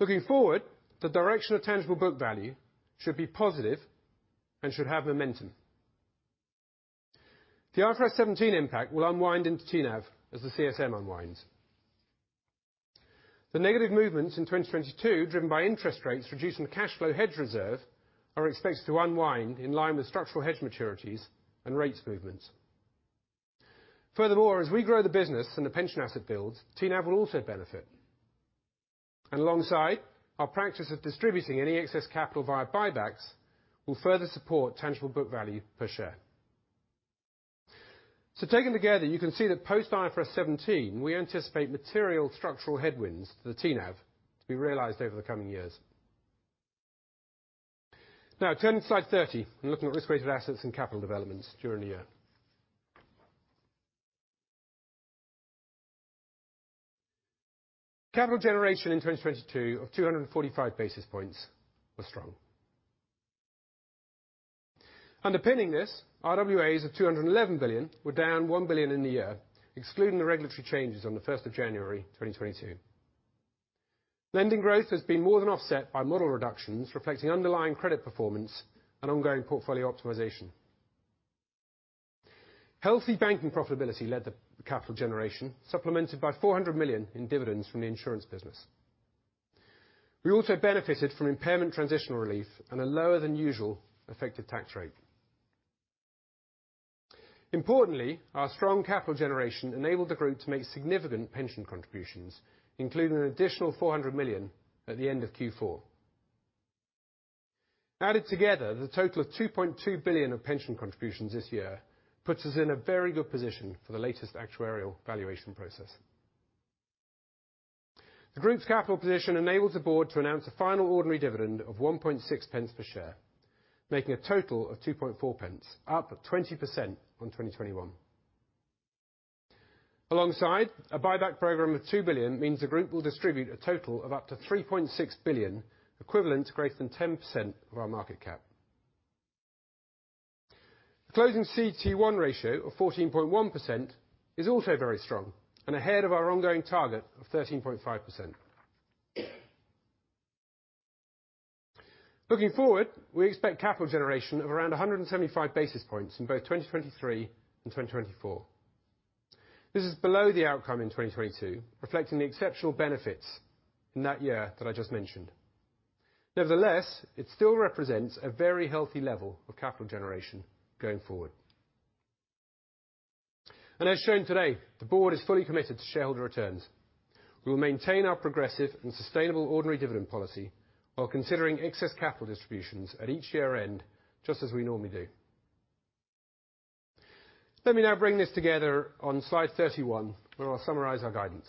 Looking forward, the direction of tangible book value should be positive and should have momentum. The IFRS 17 impact will unwind into TNAV as the CSM unwinds. The negative movements in 2022, driven by interest rates reducing the cash flow hedge reserve, are expected to unwind in line with structural hedge maturities and rates movements. Furthermore, as we grow the business and the pension asset builds, TNAV will also benefit. Alongside our practice of distributing any excess capital via buybacks will further support tangible book value per share. Taken together, you can see that post IFRS 17, we anticipate material structural headwinds to the TNAV to be realized over the coming years. Turning to slide 30, and looking at risk-weighted assets and capital developments during the year. Capital generation in 2022 of 245 basis points was strong. Underpinning this, RWAs of 211 billion were down 1 billion in the year, excluding the regulatory changes on the first of January 2022. Lending growth has been more than offset by model reductions reflecting underlying credit performance and ongoing portfolio optimization. Healthy banking profitability led the capital generation, supplemented by 400 million in dividends from the insurance business. We also benefited from impairment transitional relief and a lower than usual effective tax rate. Our strong capital generation enabled the group to make significant pension contributions, including an additional 400 million at the end of Q4. Added together, the total of 2.2 billion of pension contributions this year puts us in a very good position for the latest actuarial valuation process. The group's capital position enables the board to announce a final ordinary dividend of 0.016 per share, making a total of 0.024, up 20% on 2021. A buyback program of 2 billion means the group will distribute a total of up to 3.6 billion, equivalent to greater than 10% of our market cap. The closing CET1 ratio of 14.1% is also very strong and ahead of our ongoing target of 13.5%. Looking forward, we expect capital generation of around 175 basis points in both 2023 and 2024. This is below the outcome in 2022, reflecting the exceptional benefits in that year that I just mentioned. It still represents a very healthy level of capital generation going forward. As shown today, the board is fully committed to shareholder returns. We will maintain our progressive and sustainable ordinary dividend policy while considering excess capital distributions at each year-end, just as we normally do. Let me now bring this together on slide 31, where I'll summarize our guidance.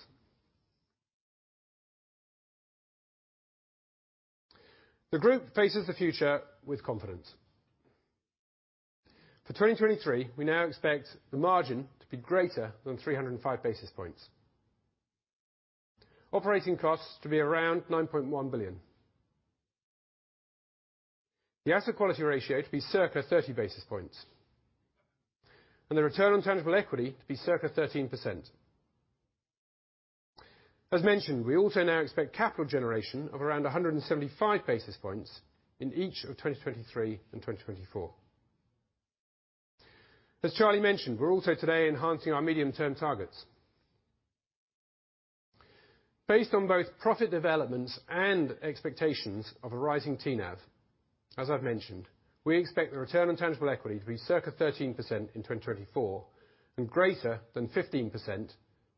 The group faces the future with confidence. For 2023, we now expect the margin to be greater than 305 basis points. Operating costs to be around 9.1 billion. The asset quality ratio to be circa 30 basis points, and the return on tangible equity to be circa 13%. As mentioned, we also now expect capital generation of around 175 basis points in each of 2023 and 2024. As Charlie mentioned, we're also today enhancing our medium-term targets. Based on both profit developments and expectations of a rising TNAV, as I've mentioned, we expect the return on tangible equity to be circa 13% in 2024 and greater than 15%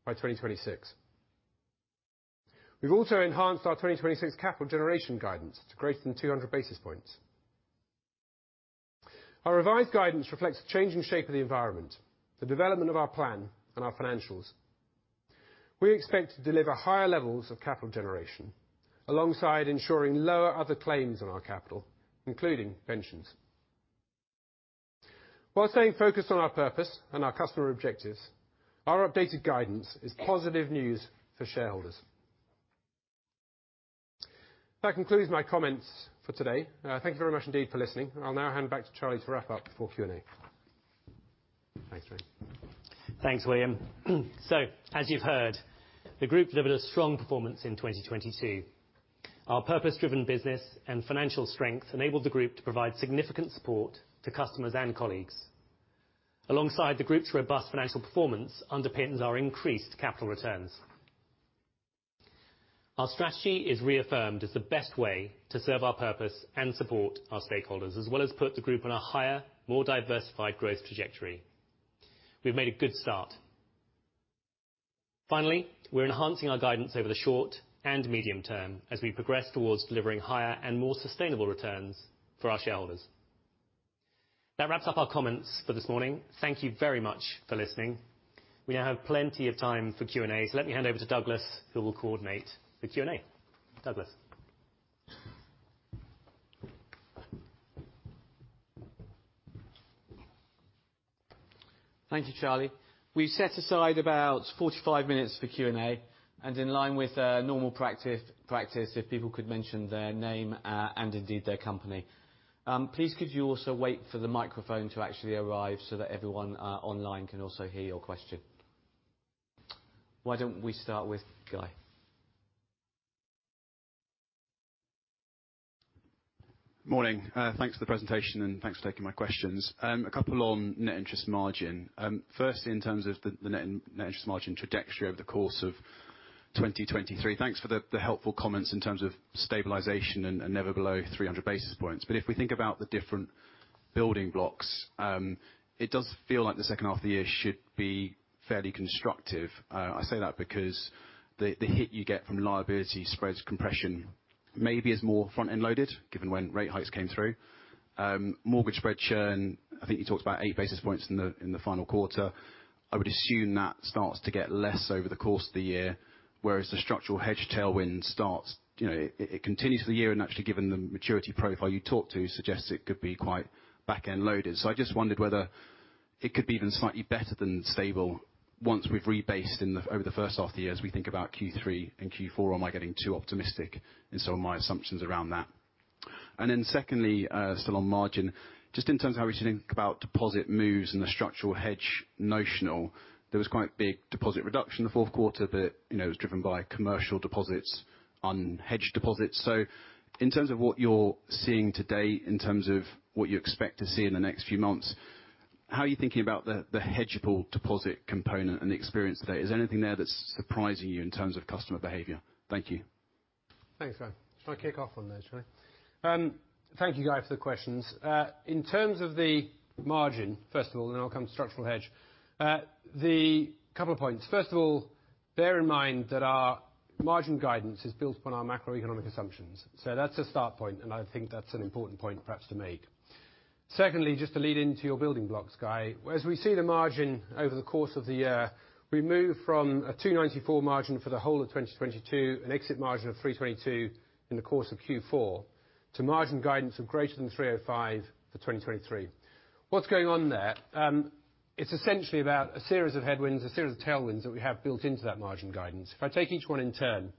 by 2026. We've also enhanced our 2026 capital generation guidance to greater than 200 basis points. Our revised guidance reflects the changing shape of the environment, the development of our plan and our financials. We expect to deliver higher levels of capital generation alongside ensuring lower other claims on our capital, including pensions. While staying focused on our purpose and our customer objectives, our updated guidance is positive news for shareholders. That concludes my comments for today. Thank you very much indeed for listening. I'll now hand back to Charlie to wrap up before Q&A. Thanks, Charlie. Thanks, William. As you've heard, the group delivered a strong performance in 2022. Our purpose-driven business and financial strength enabled the group to provide significant support to customers and colleagues. Alongside the group's robust financial performance underpins our increased capital returns. Our strategy is reaffirmed as the best way to serve our purpose and support our stakeholders, as well as put the group on a higher, more diversified growth trajectory. We've made a good start. Finally, we're enhancing our guidance over the short and medium term as we progress towards delivering higher and more sustainable returns for our shareholders. That wraps up our comments for this morning. Thank you very much for listening. We now have plenty of time for Q&A, let me hand over to Douglas, who will coordinate the Q&A. Douglas? Thank you, Charlie. We set aside about 45 minutes for Q&A. In line with normal practice, if people could mention their name and indeed their company. Please could you also wait for the microphone to actually arrive so that everyone online can also hear your question. Why don't we start with Guy? Morning. Thanks for the presentation, and thanks for taking my questions. A couple on net interest margin. First in terms of the net interest margin trajectory over the course of 2023. Thanks for the helpful comments in terms of stabilization and never below 300 basis points. If we think about the different building blocks, it does feel like the second half of the year should be fairly constructive. I say that because the hit you get from liability spreads compression maybe is more front-end loaded, given when rate hikes came through. Mortgage spread churn, I think you talked about eight basis points in the final quarter. I would assume that starts to get less over the course of the year, whereas the structural hedge tailwind starts, you know, it continues for the year and actually given the maturity profile you talked to suggests it could be quite back-end loaded. I just wondered whether it could be even slightly better than stable once we've rebased over the first half the year as we think about Q3 and Q4. Am I getting too optimistic in some of my assumptions around that? Secondly, still on margin, just in terms how we should think about deposit moves and the structural hedge notional. There was quite big deposit reduction in the fourth quarter that, you know, was driven by commercial deposits on hedged deposits. In terms of what you're seeing to date, in terms of what you expect to see in the next few months, how are you thinking about the hedgeable deposit component and the experience to date? Is there anything there that's surprising you in terms of customer behavior? Thank you. Thanks, Guy. Shall I kick off on this, shall I? Thank you, Guy, for the questions. In terms of the margin, first of all, then I'll come to structural hedge. The couple of points. First of all, bear in mind that our margin guidance is built upon our macroeconomic assumptions. That's a start point, and I think that's an important point perhaps to make. Secondly, just to lead into your building blocks, Guy. As we see the margin over the course of the year, we move from a 294 margin for the whole of 2022, an exit margin of 322 in the course of Q4, to margin guidance of greater than 305 for 2023. What's going on there? It's essentially about a series of headwinds, a series of tailwinds that we have built into that margin guidance. If I take each one in turn.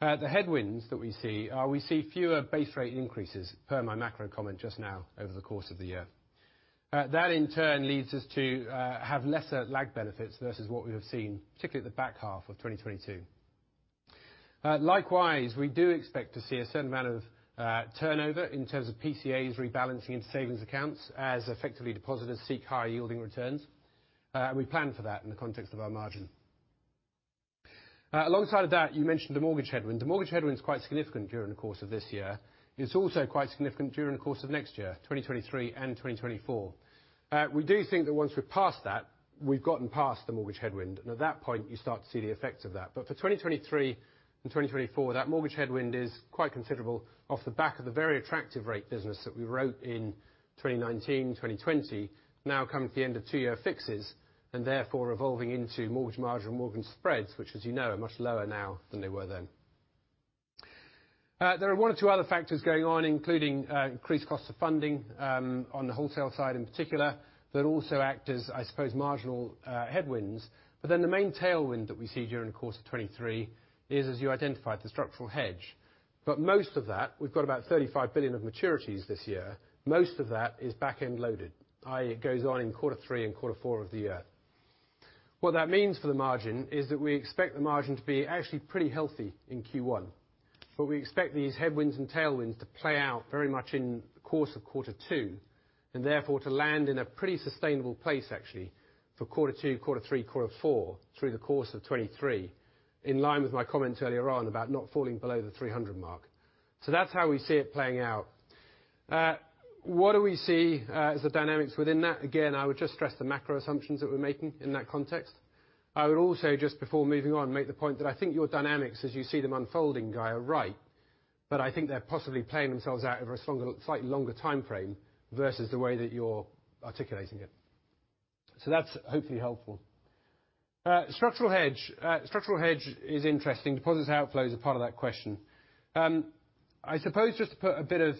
The headwinds that we see are we see fewer base rate increases, per my macro comment just now, over the course of the year. That in turn leads us to have lesser lag benefits versus what we have seen, particularly at the back half of 2022. Likewise, we do expect to see a certain amount of turnover in terms of PCAs rebalancing into savings accounts as effectively depositors seek higher yielding returns. We plan for that in the context of our margin. Alongside of that, you mentioned the mortgage headwind. The mortgage headwind is quite significant during the course of this year. It's also quite significant during the course of next year, 2023 and 2024. We do think that once we're past that, we've gotten past the mortgage headwind, and at that point, you start to see the effects of that. For 2023 and 2024, that mortgage headwind is quite considerable off the back of the very attractive rate business that we wrote in 2019, 2020, now coming to the end of two-year fixes and therefore revolving into mortgage margin and mortgage spreads, which as you know, are much lower now than they were then. There are one or two other factors going on, including increased costs of funding on the wholesale side in particular, that also act as, I suppose, marginal headwinds. The main tailwind that we see during the course of 2023 is, as you identified, the structural hedge. Most of that, we've got about 35 billion of maturities this year, most of that is back-end loaded, i.e. it goes on in quarter three and quarter four of the year. What that means for the margin is that we expect the margin to be actually pretty healthy in Q1, but we expect these headwinds and tailwinds to play out very much in the course of quarter two, and therefore to land in a pretty sustainable place actually for quarter two, quarter three, quarter four through the course of 2023, in line with my comments earlier on about not falling below the 300 mark. That's how we see it playing out. What do we see as the dynamics within that? Again, I would just stress the macro assumptions that we're making in that context. I would also, just before moving on, make the point that I think your dynamics, as you see them unfolding, Guy, are right, but I think they're possibly playing themselves out over a stronger, slightly longer timeframe versus the way that you're articulating it. That's hopefully helpful. Structural hedge. Structural hedge is interesting. Deposits outflows are part of that question. I suppose just to put a bit of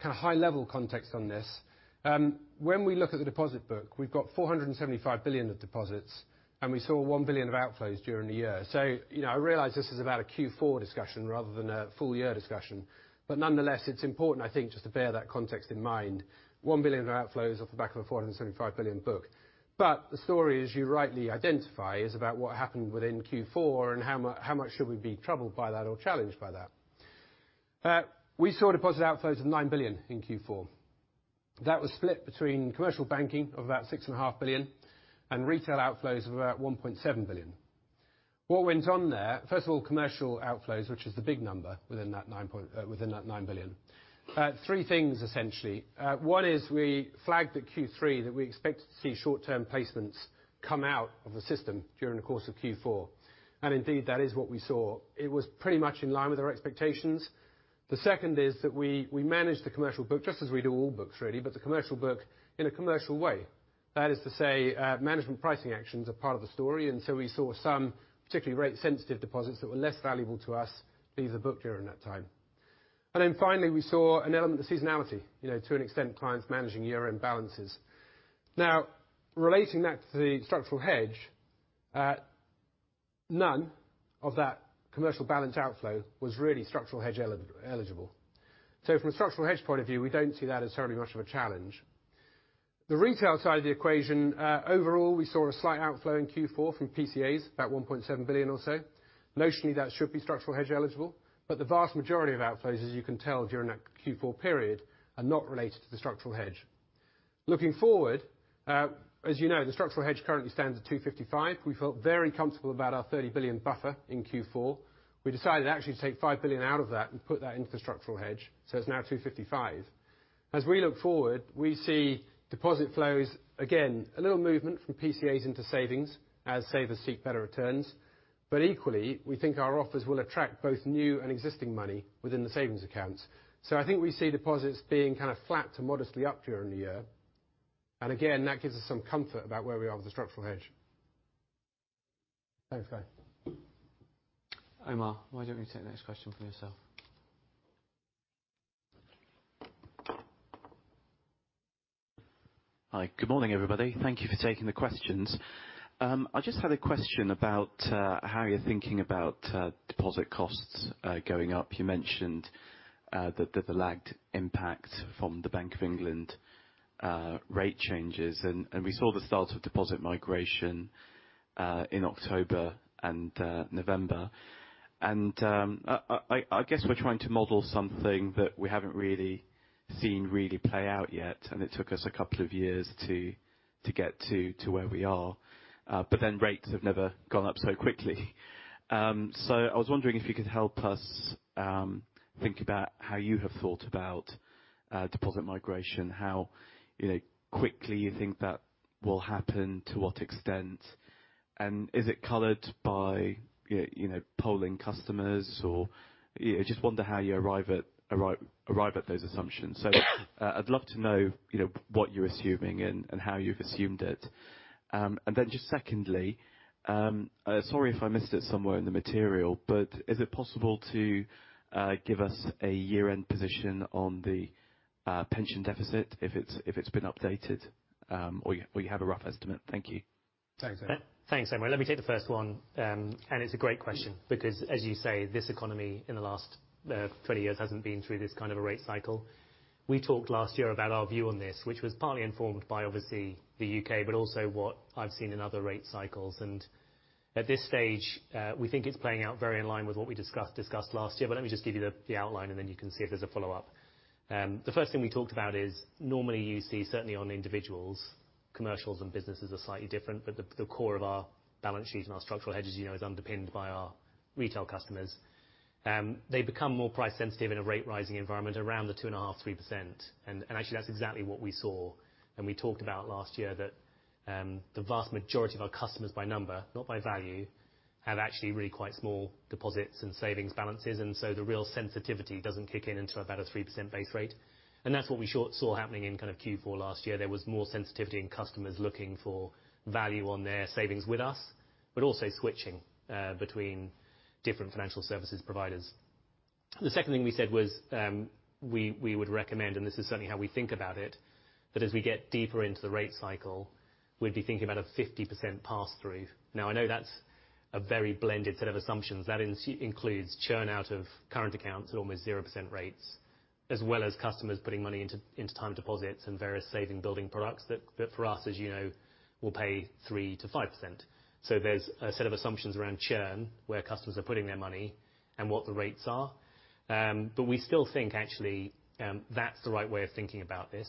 kind of high level context on this, when we look at the deposit book, we've got 475 billion of deposits, and we saw 1 billion of outflows during the year. You know, I realize this is about a Q4 discussion rather than a full year discussion. Nonetheless, it's important, I think, just to bear that context in mind. 1 billion of outflows off the back of a 475 billion book. The story, as you rightly identify, is about what happened within Q4 and how much should we be troubled by that or challenged by that? We saw deposit outflows of 9 billion in Q4. That was split between commercial banking of about 6.5 billion and retail outflows of about 1.7 billion. What went on there? First of all, commercial outflows, which is the big number within that 9 billion. Three things essentially. One is we flagged at Q3 that we expected to see short-term placements come out of the system during the course of Q4. Indeed, that is what we saw. It was pretty much in line with our expectations. The second is that we managed the commercial book, just as we do all books really, but the commercial book in a commercial way. That is to say, management pricing actions are part of the story, we saw some particularly rate sensitive deposits that were less valuable to us either booked during that time. Finally, we saw an element of seasonality. You know, to an extent, clients managing year-end balances. Now relating that to the structural hedge, none of that commercial balance outflow was really structural hedge eligible. From a structural hedge point of view, we don't see that as terribly much of a challenge. The retail side of the equation, overall, we saw a slight outflow in Q4 from PCAs, about 1.7 billion or so. Notionally, that should be structural hedge eligible, but the vast majority of outflows, as you can tell during that Q4 period, are not related to the structural hedge. Looking forward, as you know, the structural hedge currently stands at 255. We felt very comfortable about our 30 billion buffer in Q4. We decided actually to take 5 billion out of that and put that into the structural hedge, so it's now 255. As we look forward, we see deposit flows, again, a little movement from PCAs into savings as savers seek better returns. Equally, we think our offers will attract both new and existing money within the savings accounts. I think we see deposits being kind of flat to modestly up during the year. Again, that gives us some comfort about where we are with the structural hedge. Thanks Guy. Omar, why don't you take the next question for yourself? Hi. Good morning, everybody. Thank you for taking the questions. I just had a question about how you're thinking about deposit costs going up. You mentioned the lagged impact from the Bank of England rate changes. We saw the start of deposit migration in October and November. I guess we're trying to model something that we haven't really seen really play out yet, and it took us two years to get to where we are. Rates have never gone up so quickly. I was wondering if you could help us think about how you have thought about deposit migration, how, you know, quickly you think that will happen, to what extent, and is it colored by, you know, polling customers or... I just wonder how you arrive at those assumptions. I'd love to know, you know, what you're assuming and how you've assumed it. Just secondly, sorry if I missed it somewhere in the material, but is it possible to give us a year-end position on the pension deficit, if it's been updated, or you have a rough estimate? Thank you. Thanks. Thanks, Omar. Let me take the first one. It's a great question because, as you say, this economy in the last 20 years hasn't been through this kind of a rate cycle. We talked last year about our view on this, which was partly informed by, obviously, the U.K., but also what I've seen in other rate cycles. At this stage, we think it's playing out very in line with what we discussed last year. Let me just give you the outline, and then you can see if there's a follow-up. The first thing we talked about is normally you see, certainly on individuals, commercials and businesses are slightly different, the core of our balance sheet and our structural hedges, you know, is underpinned by our retail customers. They become more price sensitive in a rate rising environment around the 2.5%-3%. Actually that's exactly what we saw when we talked about last year that the vast majority of our customers by number, not by value, have actually really quite small deposits and savings balances. So the real sensitivity doesn't kick in until about a 3% base rate. That's what we saw happening in kind of Q4 last year. There was more sensitivity in customers looking for value on their savings with us, but also switching between different financial services providers. The second thing we said was, we would recommend, and this is certainly how we think about it, that as we get deeper into the rate cycle, we'd be thinking about a 50% pass-through. Now I know that's a very blended set of assumptions. That includes churn out of current accounts at almost 0% rates, as well as customers putting money into time deposits and various saving building products that for us, as you know, will pay 3%-5%. There's a set of assumptions around churn, where customers are putting their money and what the rates are. We still think actually that's the right way of thinking about this.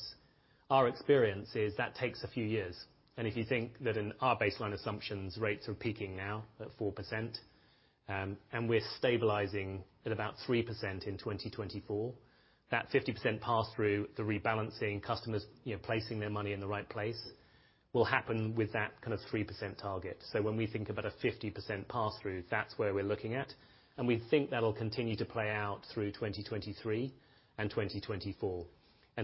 Our experience is that takes a few years. If you think that in our baseline assumptions, rates are peaking now at 4%, and we're stabilizing at about 3% in 2024, that 50% pass-through, the rebalancing customers, you know, placing their money in the right place will happen with that kind of 3% target. When we think about a 50% pass-through, that's where we're looking at, and we think that'll continue to play out through 2023 and 2024.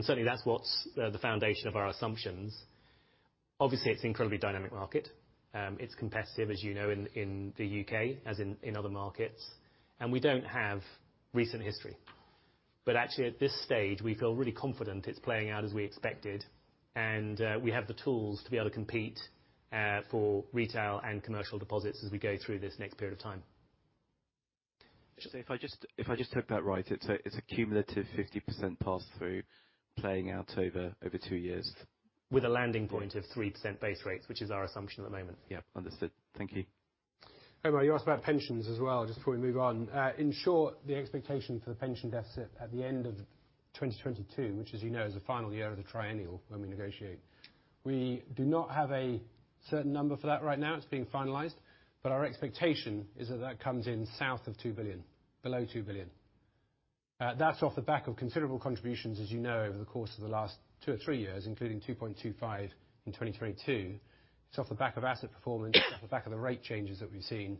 Certainly, that's what's the foundation of our assumptions. Obviously, it's an incredibly dynamic market. It's competitive, as you know, in the U.K. as in other markets. We don't have recent history. Actually, at this stage, we feel really confident it's playing out as we expected, and we have the tools to be able to compete for retail and commercial deposits as we go through this next period of time. If I just took that right, it's a cumulative 50% pass-through playing out over two years. With a landing point of 3% base rates, which is our assumption at the moment. Yeah. Understood. Thank you. Omar, you asked about pensions as well. Just before we move on. In short, the expectation for the pension deficit at the end of 2022, which, as you know, is the final year of the triennial when we negotiate. We do not have a certain number for that right now. It's being finalized, but our expectation is that that comes in south of 2 billion. Below 2 billion. That's off the back of considerable contributions, as you know, over the course of the last two or three years, including 2.25 in 2022. It's off the back of asset performance, off the back of the rate changes that we've seen.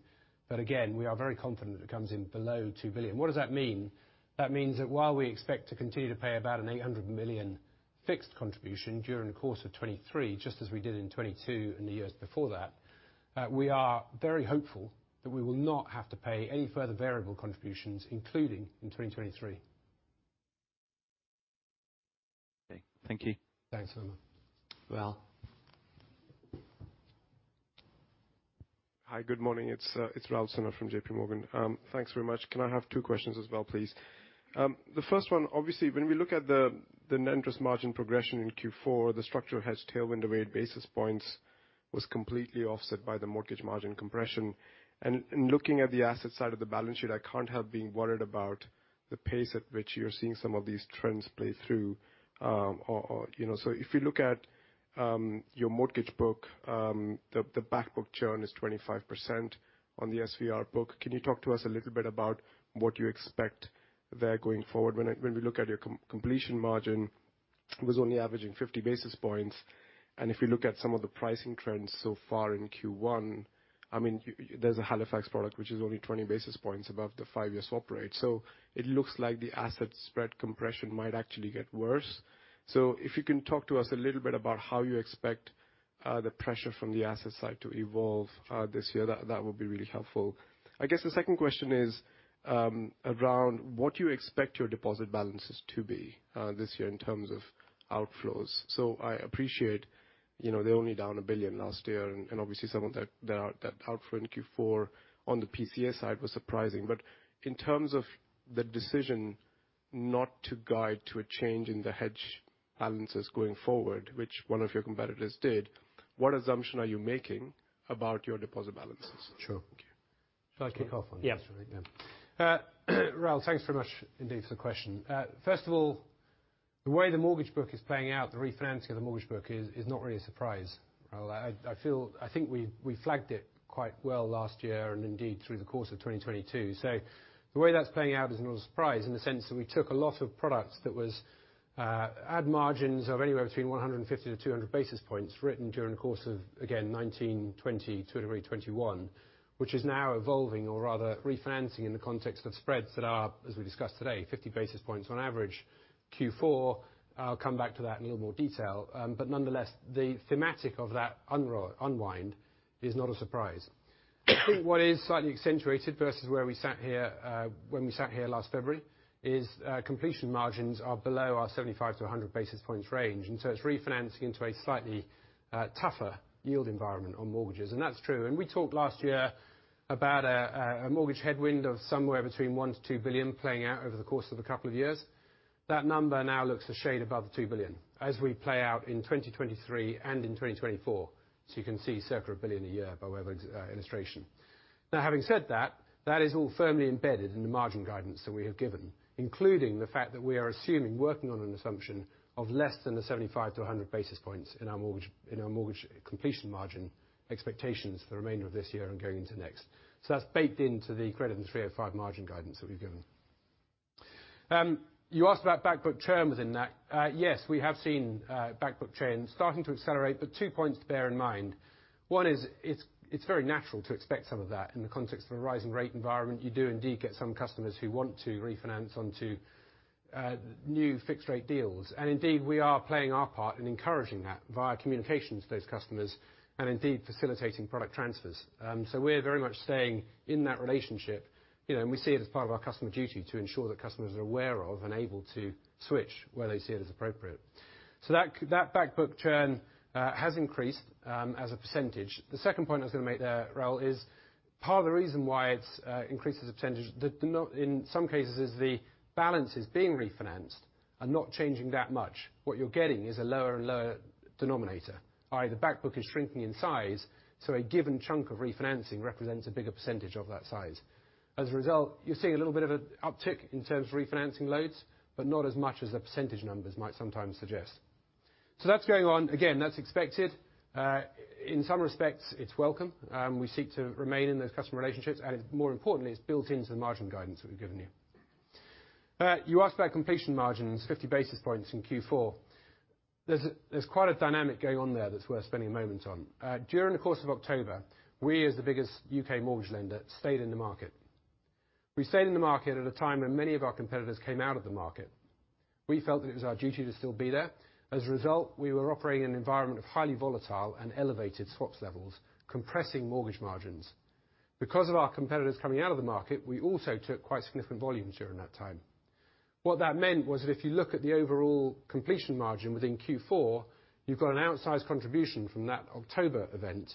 But again, we are very confident it comes in below 2 billion. What does that mean? That means that while we expect to continue to pay about a 800 million fixed contribution during the course of 2023, just as we did in 2022 and the years before that, we are very hopeful that we will not have to pay any further variable contributions, including in 2023. Okay. Thank you. Thanks, Omar. Raul. Hi. Good morning. It's Raul Sinha from JPMorgan. Thanks very much. Can I have two questions as well, please? The first one, obviously, when we look at the net interest margin progression in Q4, the structure has tailwind array basis points was completely offset by the mortgage margin compression. In looking at the asset side of the balance sheet, I can't help being worried about the pace at which you're seeing some of these trends play through. Or, you know. If you look at your mortgage book, the back book churn is 25% on the SVR book. Can you talk to us a little bit about what you expect there going forward? When we look at your completion margin, it was only averaging 50 basis points. If you look at some of the pricing trends so far in Q1, I mean, there's a Halifax product which is only 20 basis points above the five-year swap rate. It looks like the asset spread compression might actually get worse. If you can talk to us a little bit about how you expect the pressure from the asset side to evolve this year, that would be really helpful. I guess the second question is around what you expect your deposit balances to be this year in terms of outflows. I appreciate, you know, they're only down 1 billion last year, and obviously some of that outflow in Q4 on the PCAs side was surprising. In terms of the decision not to guide to a change in the hedge balances going forward, which one of your competitors did, what assumption are you making about your deposit balances? Sure. Thank you. Shall I kick off on this, right? Yeah. Raul, thanks very much indeed for the question. First of all, the way the mortgage book is playing out, the refinancing of the mortgage book is not really a surprise, Raul. I think we flagged it quite well last year and indeed through the course of 2022. The way that's playing out is not a surprise in the sense that we took a lot of products that was, ad margins of anywhere between 150 to 200 basis points written during the course of, again, 2019, 2020, to a degree, 2021, which is now evolving or rather refinancing in the context of spreads that are, as we discussed today, 50 basis points on average Q4. I'll come back to that in a little more detail. Nonetheless, the thematic of that unwind is not a surprise. I think what is slightly accentuated versus where we sat here, when we sat here last February, is, completion margins are below our 75 to 100 basis points range. It's refinancing to a slightly tougher yield environment on mortgages. That's true. We talked last year about a mortgage headwind of somewhere between 1 billion to 2 billion playing out over the course of a couple of years. That number now looks a shade above the 2 billion as we play out in 2023 and in 2024. You can see circa 1 billion a year by way of illustration. Having said that is all firmly embedded in the margin guidance that we have given, including the fact that we are assuming working on an assumption of less than the 75-100 basis points in our mortgage, in our mortgage completion margin expectations for the remainder of this year and going into next. That's baked into the credit and 305 margin guidance that we've given. You asked about back book churn within that. Yes, we have seen back book churn starting to accelerate, two points to bear in mind. One is it's very natural to expect some of that in the context of a rising rate environment. You do indeed get some customers who want to refinance onto new fixed rate deals. Indeed, we are playing our part in encouraging that via communication to those customers and indeed facilitating product transfers. We're very much staying in that relationship, you know, and we see it as part of our customer duty to ensure that customers are aware of and able to switch where they see it as appropriate. That back book churn has increased as a percentage. The second point I was gonna make there, Raul, is part of the reason why it's increased as a percentages, in some cases is the balances being refinanced are not changing that much. What you're getting is a lower and lower denominator. All right? The back book is shrinking in size, a given chunk of refinancing represents a bigger percentage of that size. As a result, you're seeing a little bit of an uptick in terms of refinancing loads, but not as much as the percentage numbers might sometimes suggest. That's going on. Again, that's expected. In some respects, it's welcome. We seek to remain in those customer relationships, and more importantly, it's built into the margin guidance that we've given you. You asked about completion margins, 50 basis points in Q4. There's quite a dynamic going on there that's worth spending a moment on. During the course of October, we, as the biggest U.K. mortgage lender, stayed in the market. We stayed in the market at a time when many of our competitors came out of the market. We felt that it was our duty to still be there. As a result, we were operating in an environment of highly volatile and elevated swaps levels, compressing mortgage margins. Because of our competitors coming out of the market, we also took quite significant volumes during that time. What that meant was that if you look at the overall completion margin within Q4, you've got an outsized contribution from that October event.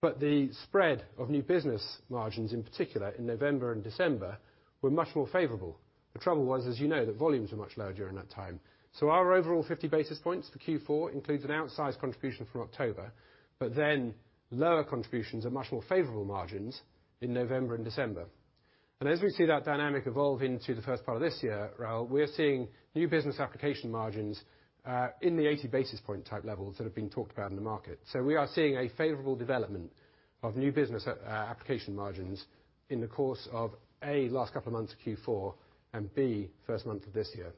The spread of new business margins, in particular in November and December, were much more favorable. The trouble was, as you know, the volumes were much lower during that time. Our overall 50 basis points for Q4 includes an outsized contribution from October, but then lower contributions at much more favorable margins in November and December. As we see that dynamic evolve into the first part of this year, Raul, we're seeing new business application margins in the 80 basis point type levels that have been talked about in the market. We are seeing a favorable development of new business application margins in the course of, A, last couple of months of Q4 and B, first month of this year.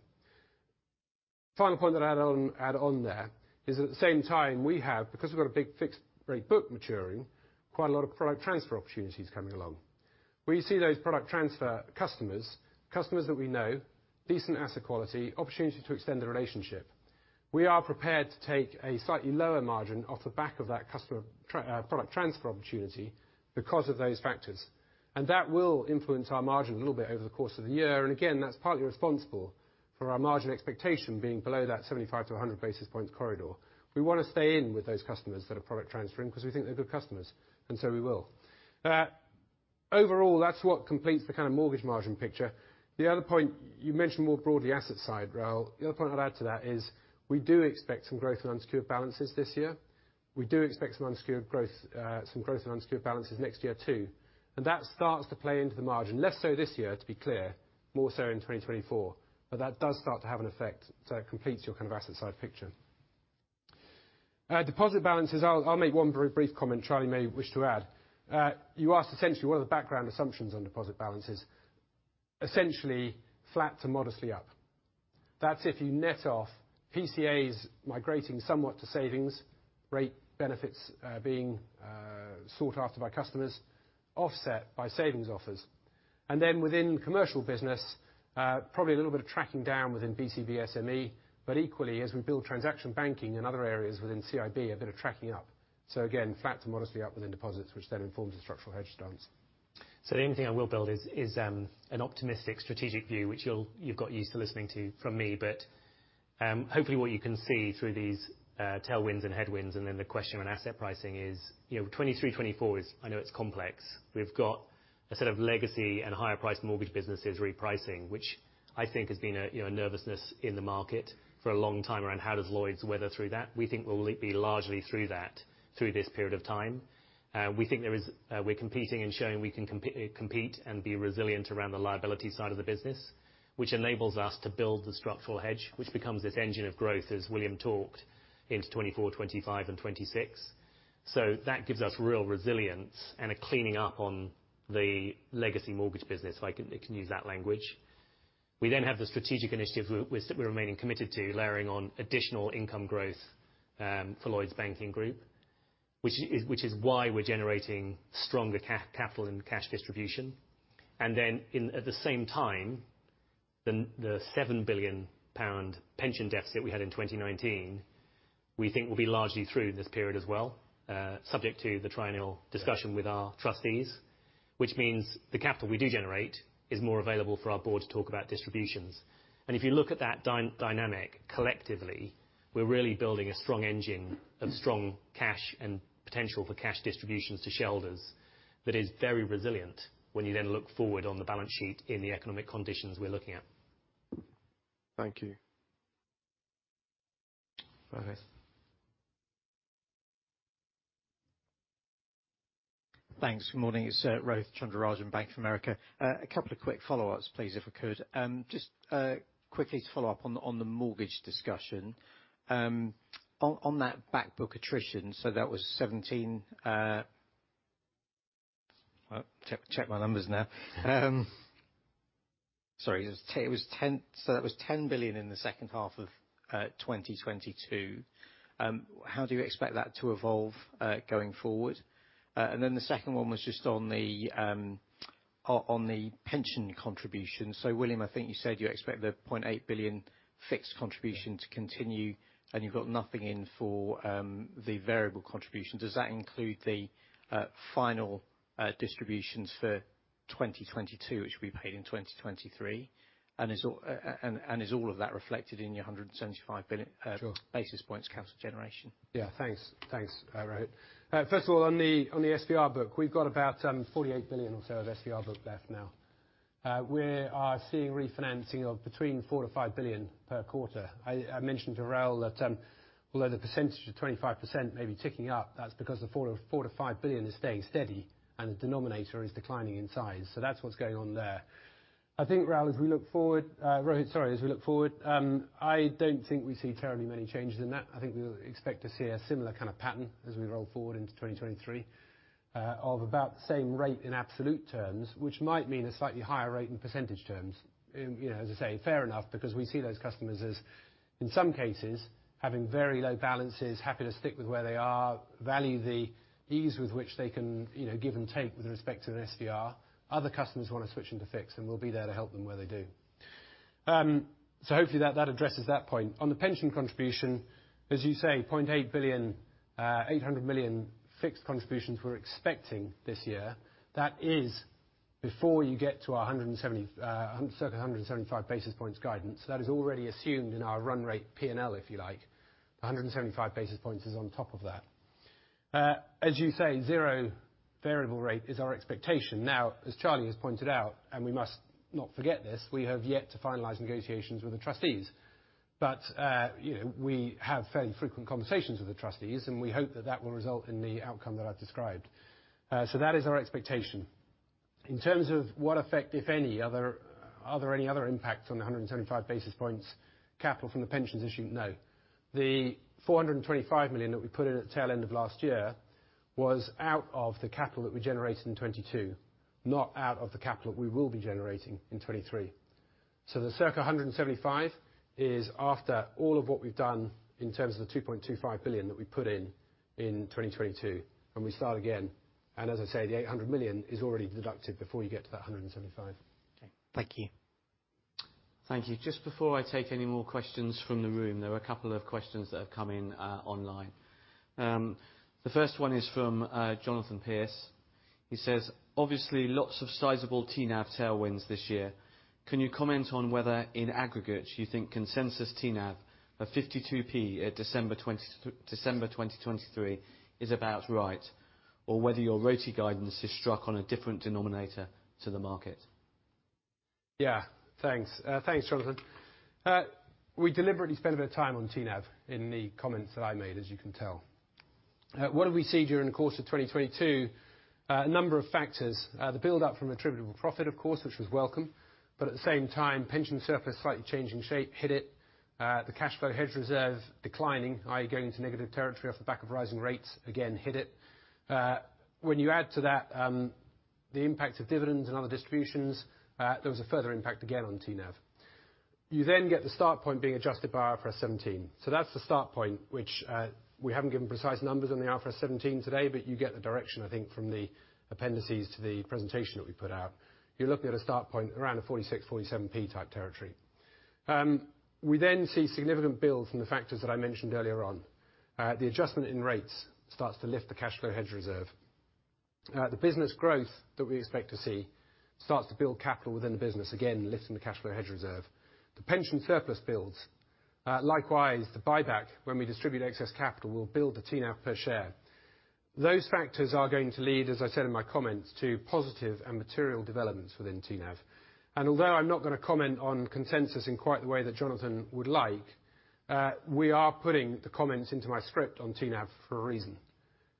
Final point that I add on there, is at the same time because we've got a big fixed rate book maturing, quite a lot of product transfer opportunities coming along. We see those product transfer customers that we know, decent asset quality, opportunity to extend the relationship. We are prepared to take a slightly lower margin off the back of that product transfer opportunity because of those factors. That will influence our margin a little bit over the course of the year. Again, that's partly responsible for our margin expectation being below that 75-100 basis points corridor. We wanna stay in with those customers that are product transferring because we think they're good customers, and so we will. Overall, that's what completes the kinda mortgage margin picture. The other point, you mentioned more broadly asset side, Raul. The other point I'd add to that is we do expect some growth in unsecured balances this year. We do expect some unsecured growth, some growth in unsecured balances next year too, and that starts to play into the margin. Less so this year, to be clear, more so in 2024, but that does start to have an effect. It completes your kind of asset side picture. Deposit balances, I'll make one very brief comment. Charlie may wish to add. You asked essentially what are the background assumptions on deposit balances. Essentially flat to modestly up. That's if you net off PCAs migrating somewhat to savings, rate benefits, being sought after by customers, offset by savings offers. Within commercial business, probably a little bit of down within BCB SME, but equally, as we build transaction banking in other areas within CIB, a bit of tracking up. Again, flat to modestly up within deposits, which then informs the structural hedge stance. The only thing I will build is an optimistic strategic view, which you've got used to listening to from me. Hopefully what you can see through these tailwinds and headwinds, and then the question around asset pricing is, you know, 2023-2024 is, I know it's complex. We've got a set of legacy and higher priced mortgage businesses repricing, which I think has been a, you know, nervousness in the market for a long time around how does Lloyds weather through that. We think we'll be largely through that through this period of time. We think we're competing and showing we can compete and be resilient around the liability side of the business, which enables us to build the structural hedge, which becomes this engine of growth, as William talked, into 2024, 2025 and 2026. That gives us real resilience and a cleaning up on the legacy mortgage business, if I can use that language. We have the strategic initiatives we're remaining committed to layering on additional income growth for Lloyds Banking Group, which is why we're generating stronger capital and cash distribution. At the same time, the 7 billion pound pension deficit we had in 2019, we think will be largely through this period as well, subject to the triennial discussion with our trustees, which means the capital we do generate is more available for our board to talk about distributions. If you look at that dynamic collectively, we're really building a strong engine of strong cash and potential for cash distributions to shareholders that is very resilient when you then look forward on the balance sheet in the economic conditions we're looking at. Thank you. Rohit. Thanks. Good morning. It's Rohith Chandra-Rajan, Bank of America. A couple of quick follow-ups, please, if I could. Just quickly to follow up on the mortgage discussion. On that back book attrition, so that was 17. I check my numbers now. Sorry. It was 10. So that was 10 billion in the second half of 2022. How do you expect that to evolve going forward? Then the second one was just on the pension contribution. William, I think you said you expect the 0.8 billion fixed contribution to continue, and you've got nothing in for the variable contribution. Does that include the final distributions for 2022, which will be paid in 2023? Is all of that reflected in your 175 billion basis points capital generation? Yeah. Thanks. Thanks, Rohit. First of all, on the SVR book, we've got about 48 billion or so of SVR book left now. We are seeing refinancing of between 4 billion-5 billion per quarter. I mentioned to Raul that, although the percentage of 25% may be ticking up, that's because the 4 billion-5 billion is staying steady and the denominator is declining in size. That's what's going on there. I think, Raul, as we look forward, Rohit, sorry, as we look forward, I don't think we see terribly many changes in that. I think we'll expect to see a similar kinda pattern as we roll forward into 2023, of about the same rate in absolute terms, which might mean a slightly higher rate in percentage terms. You know, as I say, fair enough, because we see those customers as, in some cases, having very low balances, happy to stick with where they are, value the ease with which they can, you know, give and take with respect to an SVR. Other customers wanna switch into fixed, and we'll be there to help them where they do. Hopefully that addresses that point. On the pension contribution, as you say, 0.8 billion, 800 million fixed contributions we're expecting this year. That is before you get to our 170, circa 175 basis points guidance. That is already assumed in our run rate P&L, if you like. The 175 basis points is on top of that. As you say, zero variable rate is our expectation. As Charlie has pointed out, and we must not forget this, we have yet to finalize negotiations with the trustees. You know, we have fairly frequent conversations with the trustees, and we hope that that will result in the outcome that I've described. So that is our expectation. In terms of what effect, if any, are there, are there any other impacts on the 175 basis points capital from the pensions issue? No. The 425 million that we put in at the tail end of last year was out of the capital that we generated in 2022. Not out of the capital we will be generating in 2023. Circa 175 is after all of what we've done in terms of the 2.25 billion that we put in in 2022, and we start again. As I say, the 800 million is already deducted before you get to that 175. Okay. Thank you. Thank you. Just before I take any more questions from the room, there were a couple of questions that have come in online. The first one is from Jonathan Pierce. He says, obviously lots of sizable TNAV tailwinds this year. Can you comment on whether in aggregate you think consensus TNAV of 0.52 at December 2023 is about right, or whether your RoTE guidance is struck on a different denominator to the market? Yeah. Thanks. Thanks, Jonathan. We deliberately spent a bit of time on TNAV in the comments that I made, as you can tell. What did we see during the course of 2022? A number of factors. The build up from attributable profit, of course, which was welcome, but at the same time, pension surplus slightly changing shape, hit it. The cash flow hedge reserve declining, i.e., going into negative territory off the back of rising rates, again, hit it. When you add to that, the impact of dividends and other distributions, there was a further impact again on TNAV. You then get the start point being adjusted by IFRS 17. That's the start point, which we haven't given precise numbers on the IFRS 17 today, but you get the direction, I think, from the appendices to the presentation that we put out. You're looking at a start point around the 46, 47 P type territory. We then see significant build from the factors that I mentioned earlier on. The adjustment in rates starts to lift the cash flow hedge reserve. The business growth that we expect to see starts to build capital within the business, again, lifting the cash flow hedge reserve. The pension surplus builds. Likewise, the buyback, when we distribute excess capital, will build the TNAV per share. Those factors are going to lead, as I said in my comments, to positive and material developments within TNAV. Although I'm not gonna comment on consensus in quite the way that Jonathan would like, we are putting the comments into my script on TNAV for a reason.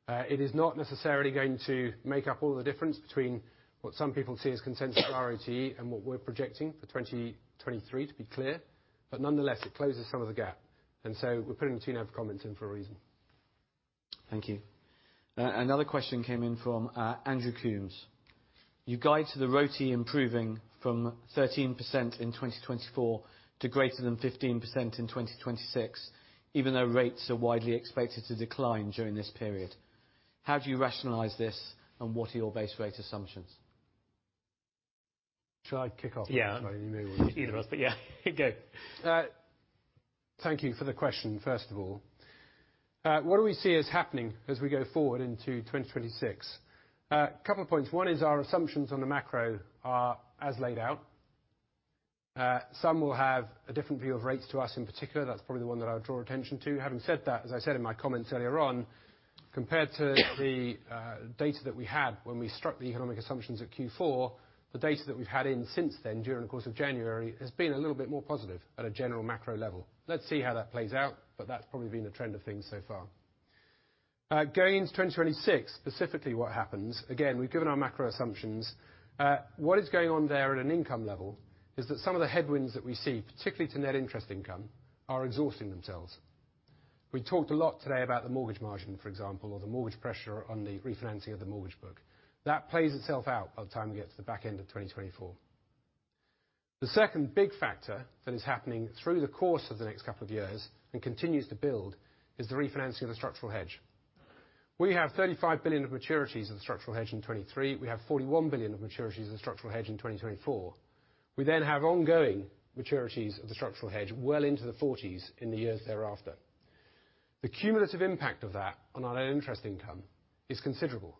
It is not necessarily going to make up all the difference between what some people see as consensus RoTE and what we're projecting for 2023, to be clear. Nonetheless, it closes some of the gap. So we're putting the TNAV comments in for a reason. Thank you. Another question came in from Andrew Coombs. You guide to the RoTE improving from 13% in 2024 to greater than 15% in 2026, even though rates are widely expected to decline during this period. How do you rationalize this, and what are your base rate assumptions? Should I kick off? Yeah. Either of us. Yeah go. Thank you for the question, first of all. What do we see is happening as we go forward into 2026? Couple of points. One is our assumptions on the macro are as laid out. Some will have a different view of rates to us in particular. That's probably the one that I would draw attention to. Having said that, as I said in my comments earlier on, compared to the data that we had when we struck the economic assumptions at Q4, the data that we've had in since then during the course of January has been a little bit more positive at a general macro level. Let's see how that plays out, but that's probably been the trend of things so far. Going to 2026, specifically what happens, again, we've given our macro assumptions. What is going on there at an income level is that some of the headwinds that we see, particularly to net interest income, are exhausting themselves. We talked a lot today about the mortgage margin, for example, or the mortgage pressure on the refinancing of the mortgage book. That plays itself out by the time we get to the back end of 2024. The second big factor that is happening through the course of the next couple of years and continues to build is the refinancing of the structural hedge. We have 35 billion of maturities of the structural hedge in 2023. We have 41 billion of maturities of the structural hedge in 2024. We have ongoing maturities of the structural hedge well into the 40s in the years thereafter. The cumulative impact of that on our net interest income is considerable.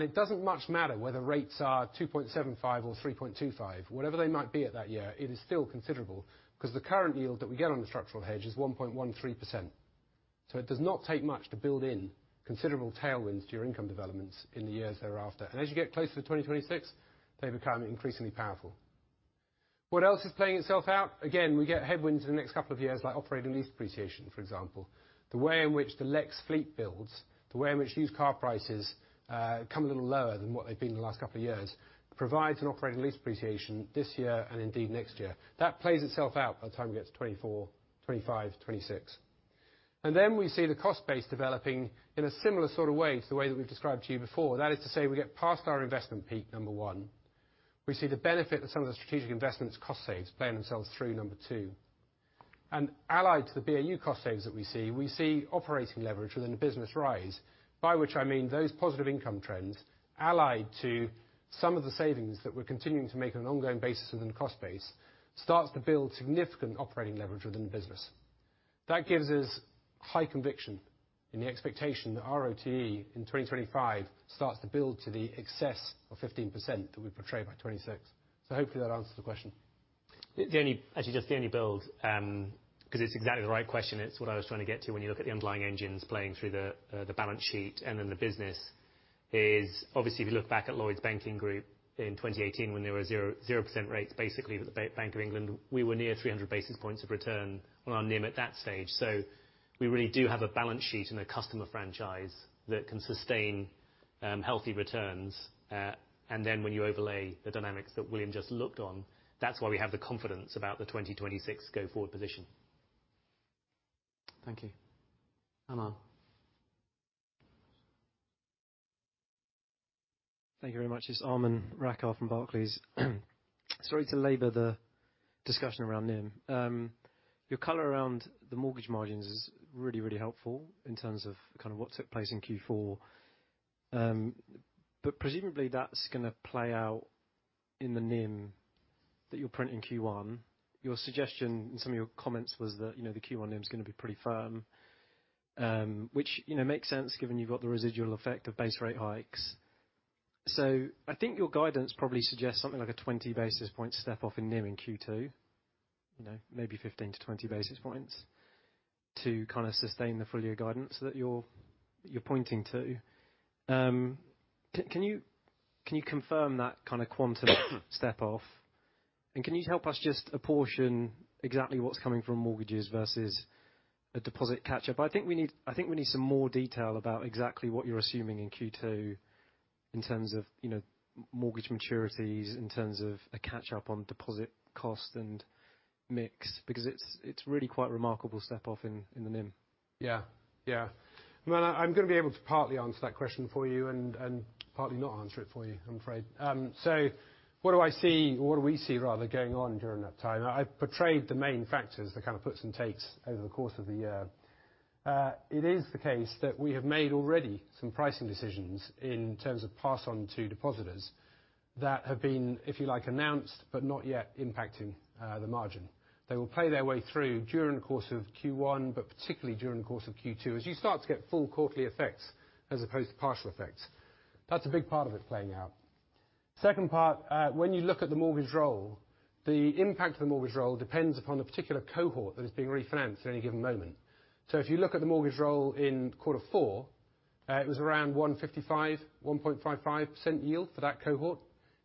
It doesn't much matter whether rates are 2.75 or 3.25. Whatever they might be at that year, it is still considerable because the current yield that we get on the structural hedge is 1.13%. It does not take much to build in considerable tailwinds to your income developments in the years thereafter. As you get closer to 2026, they become increasingly powerful. What else is playing itself out? Again, we get headwinds in the next couple of years, like operating lease appreciation, for example. The way in which the Lex fleet builds, the way in which used car prices come a little lower than what they've been in the last couple of years, provides an operating lease appreciation this year and indeed next year. That plays itself out by the time we get to 2024, 2025, 2026. We see the cost base developing in a similar sort of way to the way that we've described to you before. That is to say we get past our investment peak, number one. We see the benefit of some of the strategic investments cost saves playing themselves through, number two. Allied to the BAU cost saves that we see, we see operating leverage within the business rise, by which I mean those positive income trends, allied to some of the savings that we're continuing to make on an ongoing basis within the cost base, starts to build significant operating leverage within the business. That gives us high conviction in the expectation that RoTE in 2025 starts to build to the excess of 15% that we portray by 2026. Hopefully that answers the question. Actually, just the only build, 'cause it's exactly the right question. It's what I was trying to get to when you look at the underlying engines playing through the balance sheet and then the business is obviously, if you look back at Lloyds Banking Group in 2018 when there were 0%, 0% rates, basically, with the Bank of England, we were near 300 basis points of return on our NIM at that stage. We really do have a balance sheet and a customer franchise that can sustain healthy returns. When you overlay the dynamics that William just looked on, that's why we have the confidence about the 2026 go-forward position. Thank you. Aman. Thank you very much. It's Aman Rakkar from Barclays. Sorry to labor the discussion around NIM. Your color around the mortgage margins is really, really helpful in terms of kind of what took place in Q4. Presumably that's gonna play out in the NIM that you'll print in Q1. Your suggestion in some of your comments was that, you know, the Q1 NIM is gonna be pretty firm, which, you know, makes sense given you've got the residual effect of base rate hikes. I think your guidance probably suggests something like a 20 basis points step off in NIM in Q2. You know, maybe 15-20 basis points to kinda sustain the full year guidance that you're pointing to. Can you confirm that kind of quantum step off? Can you help us just apportion exactly what's coming from mortgages versus a deposit catch-up? I think we need some more detail about exactly what you're assuming in Q2 in terms of, you know, mortgage maturities, in terms of a catch-up on deposit cost and mix, because it's a really quite remarkable step off in the NIM. Yeah. Yeah. Well, I'm gonna be able to partly answer that question for you and partly not answer it for you, I'm afraid. What do I see or what do we see rather going on during that time? I portrayed the main factors, the kind of puts and takes over the course of the year. It is the case that we have made already some pricing decisions in terms of pass on to depositors that have been, if you like, announced, but not yet impacting, the margin. They will play their way through during the course of Q1, but particularly during the course of Q2, as you start to get full quarterly effects as opposed to partial effects. That's a big part of it playing out. Second part, when you look at the mortgage roll, the impact of the mortgage roll depends upon the particular cohort that is being refinanced at any given moment. If you look at the mortgage roll in Q4, it was around 1.55% yield for that cohort.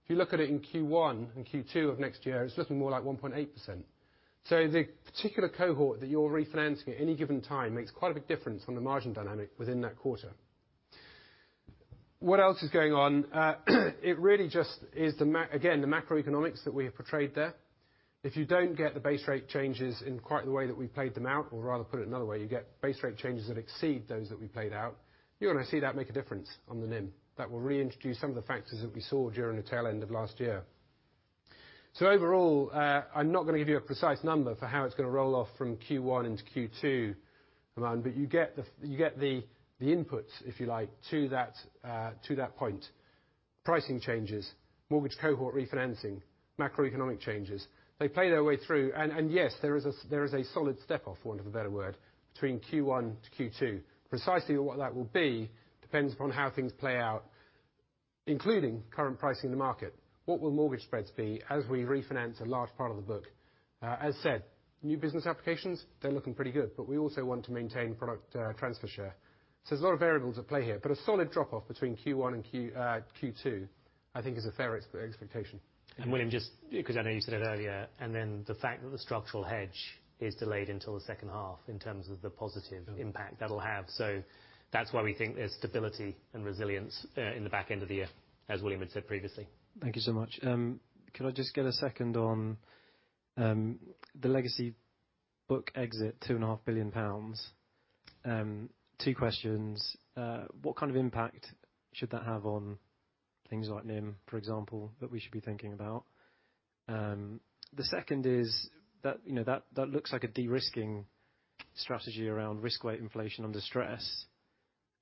If you look at it in Q1 and Q2 of next year, it's looking more like 1.8%. The particular cohort that you're refinancing at any given time makes quite a big difference on the margin dynamic within that quarter. What else is going on? It really just is again, the macroeconomics that we have portrayed there. If you don't get the base rate changes in quite the way that we played them out, or rather put it another way, you get base rate changes that exceed those that we played out. You wanna see that make a difference on the NIM. That will reintroduce some of the factors that we saw during the tail end of last year. Overall, I'm not gonna give you a precise number for how it's gonna roll off from Q1 into Q2, Aman, but you get the inputs, if you like, to that point. Pricing changes, mortgage cohort refinancing, macroeconomic changes. They play their way through. Yes, there is a solid step off, for want of a better word, between Q1 to Q2. Precisely what that will be depends upon how things play out, including current pricing in the market. What will mortgage spreads be as we refinance a large part of the book? As said, new business applications, they're looking pretty good, but we also want to maintain product, transfer share. There's a lot of variables at play here. A solid drop off between Q1 and Q2, I think is a fair expectation. William, just because I know you said it earlier, and then the fact that the structural hedge is delayed until the second half in terms of the positive impact that'll have. That's why we think there's stability and resilience in the back end of the year, as William had said previously. Thank you so much. Could I just get a second on the legacy book exit two and a half billion pounds? Two questions. What kind of impact should that have on things like NIM, for example, that we should be thinking about? The second is that, you know, that looks like a de-risking strategy around risk weight inflation under stress.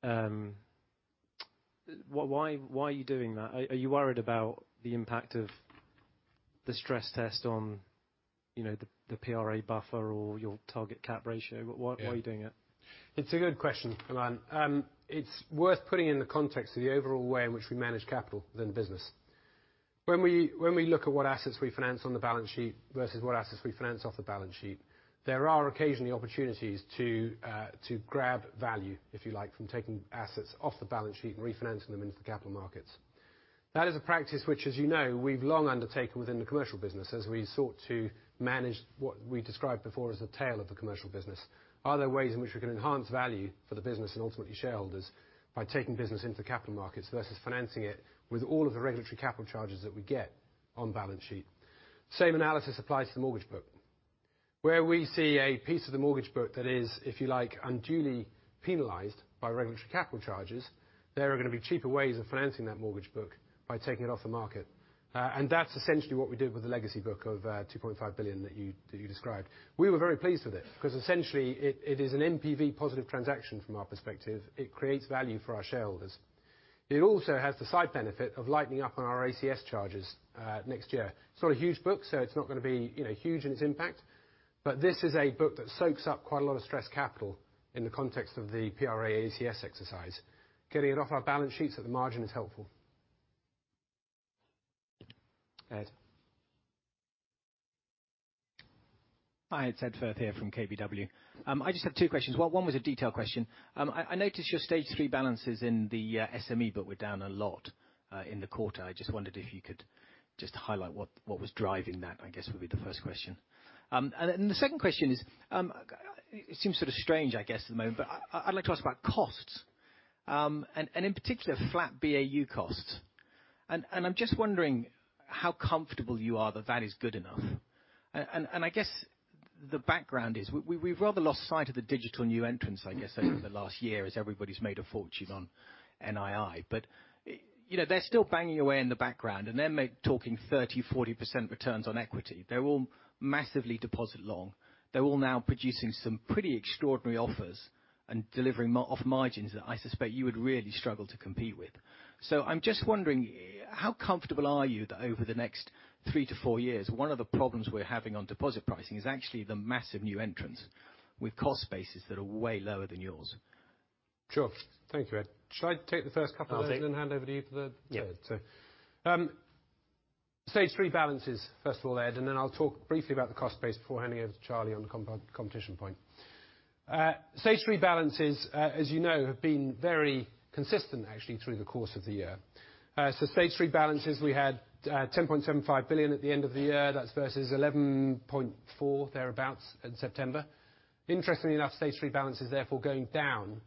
Why are you doing that? Are you worried about the impact of the stress test on, you know, the PRA buffer or your target cap ratio? Why are you doing it? Yeah. It's a good question, Aman. It's worth putting in the context of the overall way in which we manage capital within the business. When we look at what assets we finance on the balance sheet versus what assets we finance off the balance sheet, there are occasionally opportunities to grab value, if you like, from taking assets off the balance sheet and refinancing them into the capital markets. That is a practice which, as you know, we've long undertaken within the commercial business as we sought to manage what we described before as the tail of the commercial business. Are there ways in which we can enhance value for the business and ultimately shareholders by taking business into capital markets versus financing it with all of the regulatory capital charges that we get on balance sheet? Same analysis applies to the mortgage book. Where we see a piece of the mortgage book that is, if you like, unduly penalized by regulatory capital charges, there are gonna be cheaper ways of financing that mortgage book by taking it off the market. That's essentially what we did with the legacy book of 2.5 billion that you described. We were very pleased with it because essentially it is an NPV positive transaction from our perspective. It creates value for our shareholders. It also has the side benefit of lightening up on our ACS charges next year. It's not a huge book, so it's not gonna be, you know, huge in its impact. This is a book that soaks up quite a lot of stress capital in the context of the PRA ACS exercise. Getting it off our balance sheets at the margin is helpful. Ed. Hi, it's Ed Firth here from KBW. I just have two questions. One was a detail question. I noticed your stage three balances in the SME book were down a lot in the quarter. I just wondered if you could just highlight what was driving that, I guess, would be the first question. The second question is, it seems sort of strange, I guess, at the moment, but I'd like to ask about costs, and in particular, flat BAU costs. I'm just wondering how comfortable you are that that is good enough. I guess the background is we've rather lost sight of the digital new entrants, I guess, over the last year as everybody's made a fortune on NII. You know, they're still banging away in the background, and they're talking 30%, 40% returns on equity. They're all massively deposit long. They're all now producing some pretty extraordinary offers and delivering off margins that I suspect you would really struggle to compete with. I'm just wondering how comfortable are you that over the next three-four years, one of the problems we're having on deposit pricing is actually the massive new entrants with cost bases that are way lower than yours. Sure. Thank you, Ed. Should I take the first couple of those- I think. Hand over to you for the. Yeah. Stage three balances, first of all, Ed, and then I'll talk briefly about the cost base before handing over to Charlie on the competition point. Stage three balances, as you know, have been very consistent actually through the course of the year. Stage three balances, we had, 10.75 billion at the end of the year. That's versus 11.4 billion, thereabout, in September. Interestingly enough, stage three balance is therefore going down,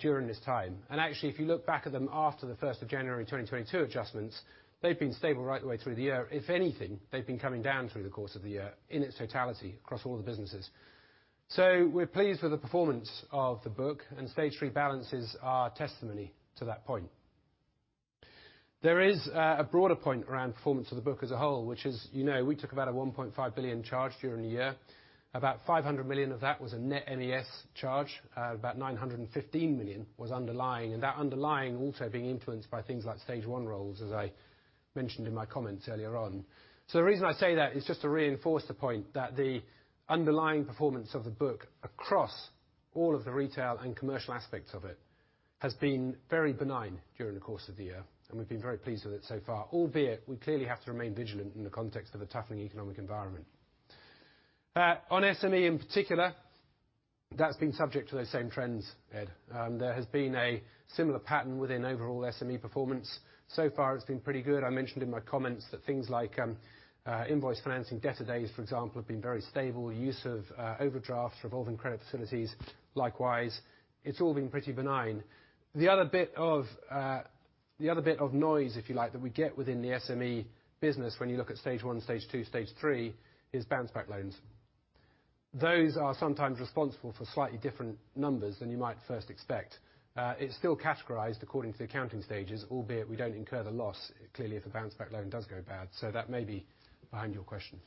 during this time. Actually, if you look back at them after the 1st of January 2022 adjustments, they've been stable right the way through the year. If anything, they've been coming down through the course of the year in its totality across all the businesses. We're pleased with the performance of the book, and stage three balances are testimony to that point. There is a broader point around performance of the book as a whole, which is, you know, we took about a 1.5 billion charge during the year. About 500 million of that was a net ECLs charge. About 915 million was underlying, and that underlying also being influenced by things like stage one ECLs, as I mentioned in my comments earlier on. The reason I say that is just to reinforce the point that the underlying performance of the book across all of the retail and commercial aspects of it has been very benign during the course of the year, and we've been very pleased with it so far. Albeit, we clearly have to remain vigilant in the context of a toughening economic environment. On SME in particular, that's been subject to those same trends, Ed. There has been a similar pattern within overall SME performance. So far, it's been pretty good. I mentioned in my comments that things like invoice financing, debtor days, for example, have been very stable. Use of overdrafts, revolving credit facilities, likewise. It's all been pretty benign. The other bit of noise, if you like, that we get within the SME business when you look at stage one, stage two, stage three, is Bounce Back Loans. Those are sometimes responsible for slightly different numbers than you might first expect. It's still categorized according to the accounting stages, albeit we don't incur the loss, clearly, if a Bounce Back Loan does go bad. That may be behind your question.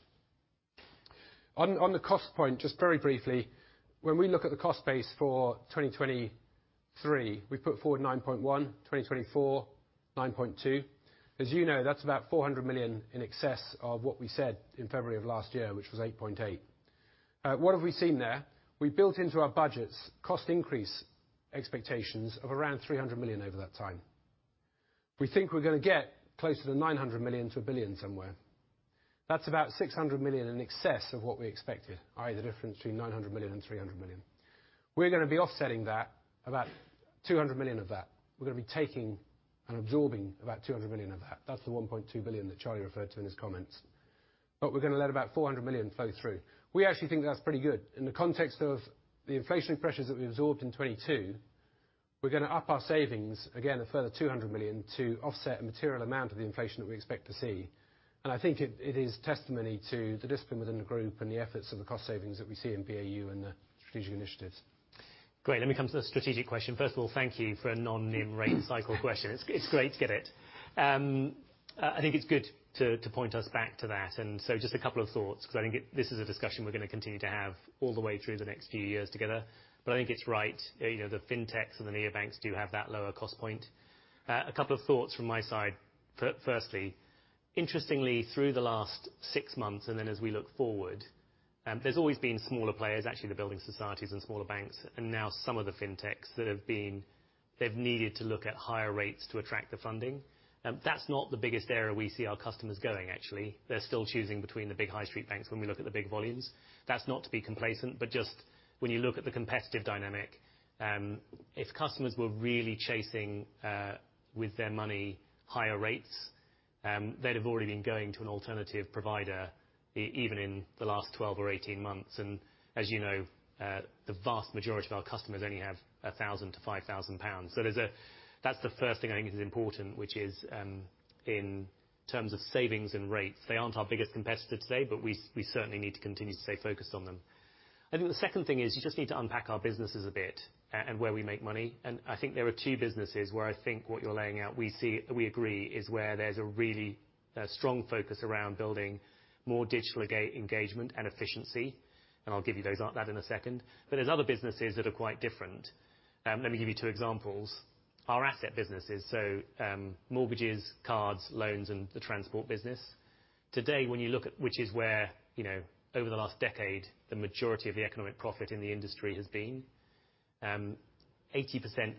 On the cost point, just very briefly. When we look at the cost base for 2023, we put forward 9.1, 2024, 9.2. As you know, that's about 400 million in excess of what we said in February of last year, which was 8.8. What have we seen there? We built into our budgets cost increase expectations of around 300 million over that time. We think we're gonna get closer to 900 million to 1 billion somewhere. That's about 600 million in excess of what we expected, i.e., the difference between 900 million and 300 million. We're gonna be offsetting that, about 200 million of that. We're gonna be taking and absorbing about 200 million of that. That's the 1.2 billion that Charlie referred to in his comments. We're gonna let about 400 million flow through. We actually think that's pretty good. In the context of the inflationary pressures that we absorbed in 2022, we're gonna up our savings again a further 200 million to offset a material amount of the inflation that we expect to see. I think it is testimony to the discipline within the group and the efforts of the cost savings that we see in BAU and the strategic initiatives. Great. Let me come to the strategic question. First of all, thank you for a non-NIM rate cycle question. It's great to get it. I think it's good to point us back to that. Just a couple of thoughts 'cause I think this is a discussion we're going to continue to have all the way through the next few years together. I think it's right. You know, the fintechs and the neobanks do have that lower cost point. A couple of thoughts from my side. Firstly, interestingly, through the last six months and then as we look forward, there's always been smaller players, actually the building societies and smaller banks and now some of the fintechs. They've needed to look at higher rates to attract the funding. That's not the biggest area we see our customers going, actually. They're still choosing between the big high street banks when we look at the big volumes. That's not to be complacent, but just when you look at the competitive dynamic, if customers were really chasing with their money higher rates, they'd have already been going to an alternative provider even in the last 12 or 18 months. As you know, the vast majority of our customers only have 1,000 to 5,000 pounds. There's that's the first thing I think is important, which is, in terms of savings and rates, they aren't our biggest competitor today, but we certainly need to continue to stay focused on them. I think the second thing is you just need to unpack our businesses a bit and where we make money, I think there are two businesses where I think what you're laying out, we see, we agree, is where there's a really strong focus around building more digital engagement and efficiency, and I'll give you those, that in a second. There's other businesses that are quite different. Let me give you twth examples. Our asset businesses, so, mortgages, cards, loans, and the transport business. Today, when you look at which is where, you know, over the last decade, the majority of the economic profit in the industry has been, 80%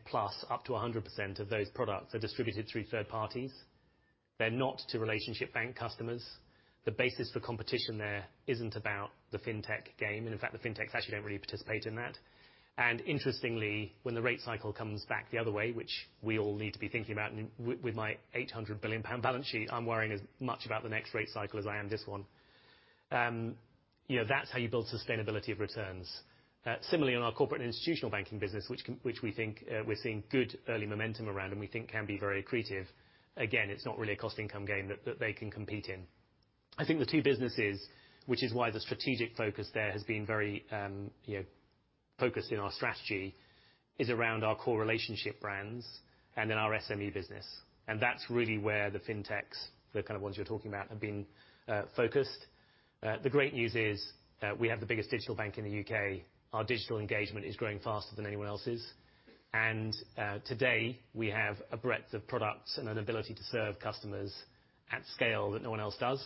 plus, up to 100% of those products are distributed through third parties. They're not to relationship bank customers. The basis for competition there isn't about the fintech game. In fact, the fintechs actually don't really participate in that. Interestingly, when the rate cycle comes back the other way, which we all need to be thinking about, with my 800 billion pound balance sheet, I'm worrying as much about the next rate cycle as I am this one. You know, that's how you build sustainability of returns. Similarly on our corporate institutional banking business, which we think, we're seeing good early momentum around, and we think can be very accretive. Again, it's not really a cost income game that they can compete in. I think the two businesses, which is why the strategic focus there has been very, you know, focused in our strategy, is around our core relationship brands and in our SME business. That's really where the fintechs, the kind of ones you're talking about, have been focused. The great news is, we have the biggest digital bank in the U.K. Our digital engagement is growing faster than anyone else's. Today, we have a breadth of products and an ability to serve customers at scale that no one else does.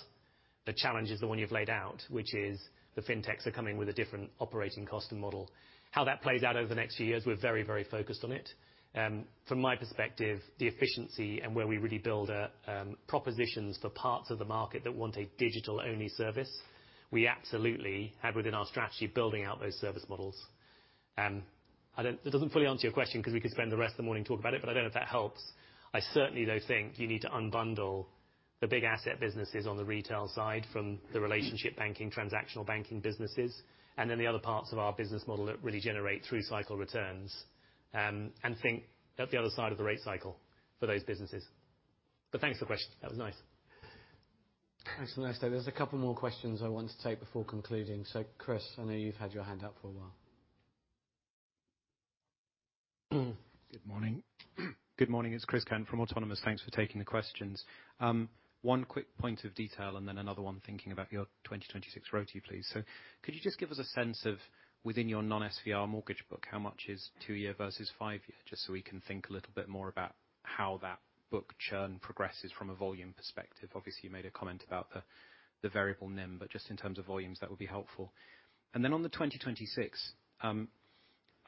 The challenge is the one you've laid out, which is the fintechs are coming with a different operating cost and model. How that plays out over the next few years, we're very, very focused on it. From my perspective, the efficiency and where we really build propositions for parts of the market that want a digital-only service, we absolutely have within our strategy building out those service models. It doesn't fully answer your question 'cause we could spend the rest of the morning talking about it. I don't know if that helps. I certainly, though, think you need to unbundle the big asset businesses on the retail side from the relationship banking, transactional banking businesses, and then the other parts of our business model that really generate through-cycle returns, and think at the other side of the rate cycle for those businesses. Thanks for the question. That was nice. Thanks for the nice day. There's a couple more questions I want to take before concluding. Chris, I know you've had your hand up for a while. Good morning. Good morning. It's Chris Cant from Autonomous. Thanks for taking the questions. One quick point of detail and then another one thinking about your 2026 RoTE, please. Could you just give us a sense of within your non-SVR mortgage book, how much is two-year versus five-year, just so we can think a little bit more about how that book churn progresses from a volume perspective. Obviously, you made a comment about the variable NIM, but just in terms of volumes, that would be helpful. On the 2026, I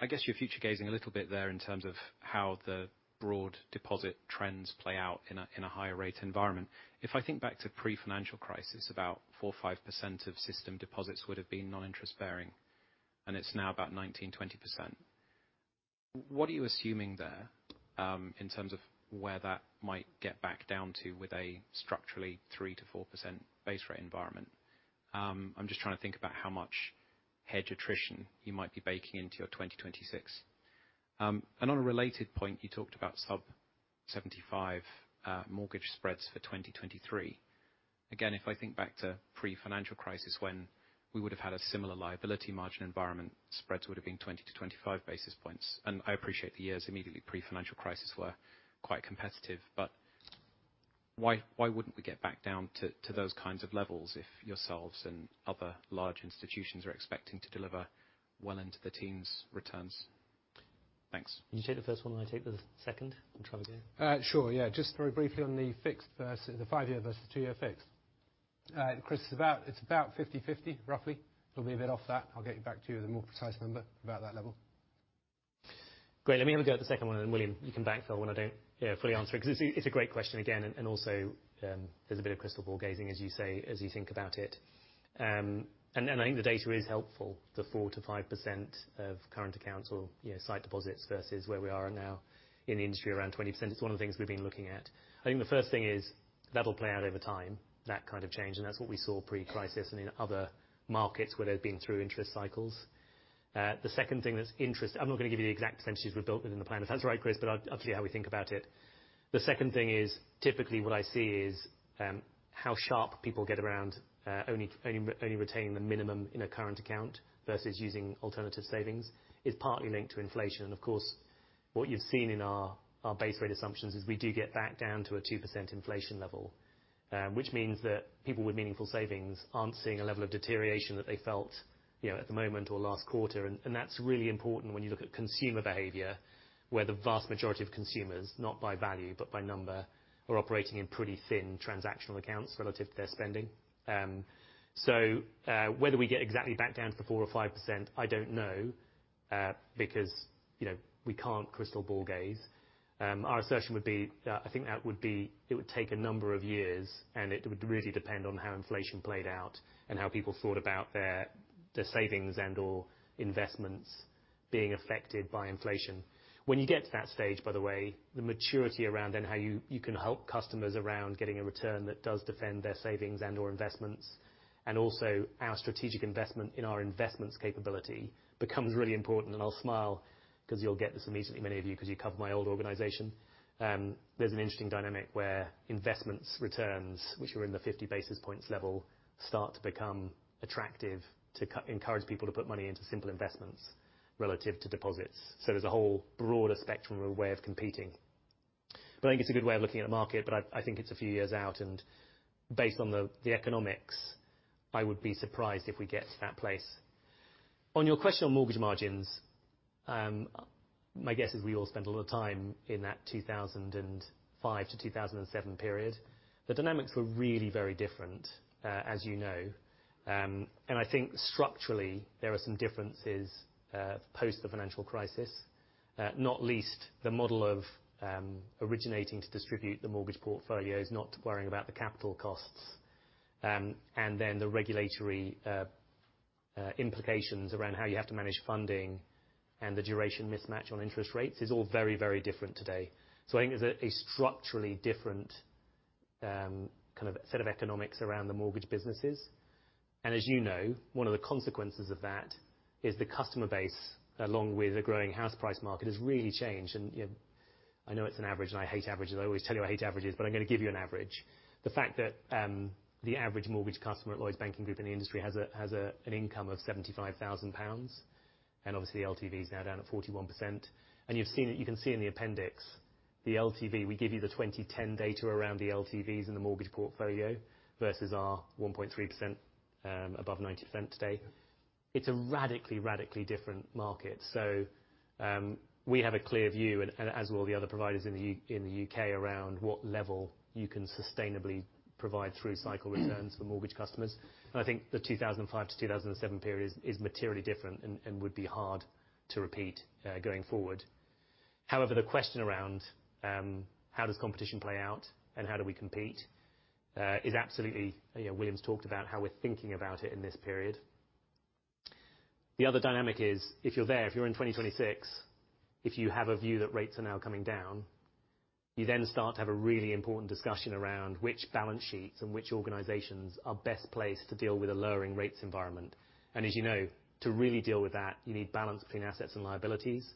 guess you're future gazing a little bit there in terms of how the broad deposit trends play out in a, in a higher rate environment. If I think back to pre-financial crisis, about 4%, 5% of system deposits would have been non-interest bearing, and it's now about 19%, 20%. What are you assuming there in terms of where that might get back down to with a structurally 3%-4% base rate environment? I'm just trying to think about how much hedge attrition you might be baking into your 2026. On a related point, you talked about sub 75 mortgage spreads for 2023. Again, if I think back to pre-financial crisis, when we would have had a similar liability margin environment, spreads would have been 20-25 basis points. I appreciate the years immediately pre-financial crisis were quite competitive. Why wouldn't we get back down to those kinds of levels if yourselves and other large institutions are expecting to deliver well into the teens returns? Thanks. Can you take the first one and I take the second and try again? Sure. Yeah. Just very briefly on the fixed versus the five-year versus two-year fixed. Chris, it's about 50/50, roughly. It'll be a bit off that. I'll get you back to the more precise number about that level. Great. Let me have a go at the second one. William, you can bank fill when I don't fully answer it because it's a great question again. Also, there's a bit of crystal ball gazing, as you say, as you think about it. I think the data is helpful, the 4%-5% of current accounts or, you know, site deposits versus where we are now in the industry around 20%. It's one of the things we've been looking at. I think the first thing is that'll play out over time, that kind of change, and that's what we saw pre-crisis and in other markets where they've been through interest cycles. The second thing that's I'm not gonna give you the exact percentages we've built within the plan if that's right, Chris, but I'll tell you how we think about it. The second thing is, typically what I see is how sharp people get around only retaining the minimum in a current account versus using alternative savings is partly linked to inflation. Of course, what you've seen in our base rate assumptions is we do get back down to a 2% inflation level, which means that people with meaningful savings aren't seeing a level of deterioration that they felt, you know, at the moment or last quarter. That's really important when you look at consumer behavior, where the vast majority of consumers, not by value, but by number, are operating in pretty thin transactional accounts relative to their spending. Whether we get exactly back down to the 4% or 5%, I don't know, because, you know, we can't crystal ball gaze. Our assertion would be, I think that would be, it would take a number of years, and it would really depend on how inflation played out and how people thought about their savings and/or investments being affected by inflation. When you get to that stage, by the way, the maturity around then how you can help customers around getting a return that does defend their savings and/or investments, and also our strategic investment in our investments capability becomes really important. I'll smile 'cause you'll get this immediately, many of you, 'cause you cover my old organization. There's an interesting dynamic where investments returns, which are in the 50 basis points level, start to become attractive to encourage people to put money into simple investments relative to deposits. There's a whole broader spectrum or way of competing. I think it's a good way of looking at the market, but I think it's a few years out, and based on the economics, I would be surprised if we get to that place. On your question on mortgage margins, my guess is we all spent a lot of time in that 2005 to 2007 period. The dynamics were really very different, as you know. I think structurally, there are some differences post the financial crisis, not least the model of originate-to-distribute the mortgage portfolios, not worrying about the capital costs, and then the regulatory implications around how you have to manage funding and the duration mismatch on interest rates is all very, very different today. I think there's a structurally different kind of set of economics around the mortgage businesses. As you know, one of the consequences of that is the customer base, along with the growing house price market, has really changed. You know, I know it's an average, and I hate averages. I always tell you I hate averages, but I'm gonna give you an average. The fact that the average mortgage customer at Lloyds Banking Group in the industry has an income of 75,000 pounds, obviously LTVs now down at 41%. You can see in the appendix, the LTV, we give you the 2010 data around the LTVs in the mortgage portfolio versus our 1.3% above 90% today. It's a radically different market. We have a clear view and as all the other providers in the U.K. around what level you can sustainably provide through cycle returns for mortgage customers. I think the 2005-2007 period is materially different and would be hard to repeat going forward. The question around how does competition play out and how do we compete is absolutely... You know, Williams talked about how we're thinking about it in this period. The other dynamic is if you're there, if you're in 2026, if you have a view that rates are now coming down, you then start to have a really important discussion around which balance sheets and which organizations are best placed to deal with a lowering rates environment. As you know, to really deal with that, you need balance between assets and liabilities.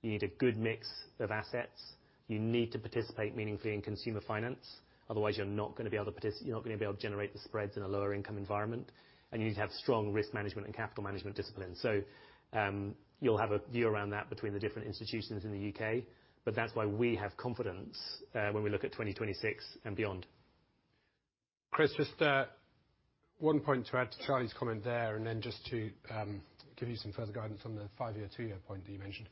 You need a good mix of assets. You need to participate meaningfully in consumer finance. Otherwise, you're not gonna be able to generate the spreads in a lower income environment. You need to have strong risk management and capital management discipline. You'll have a view around that between the different institutions in the U.K. That's why we have confidence, when we look at 2026 and beyond. Chris, just one point to add to Charlie's comment there, and then just to give you some further guidance on the five-year, two-year point that you mentioned.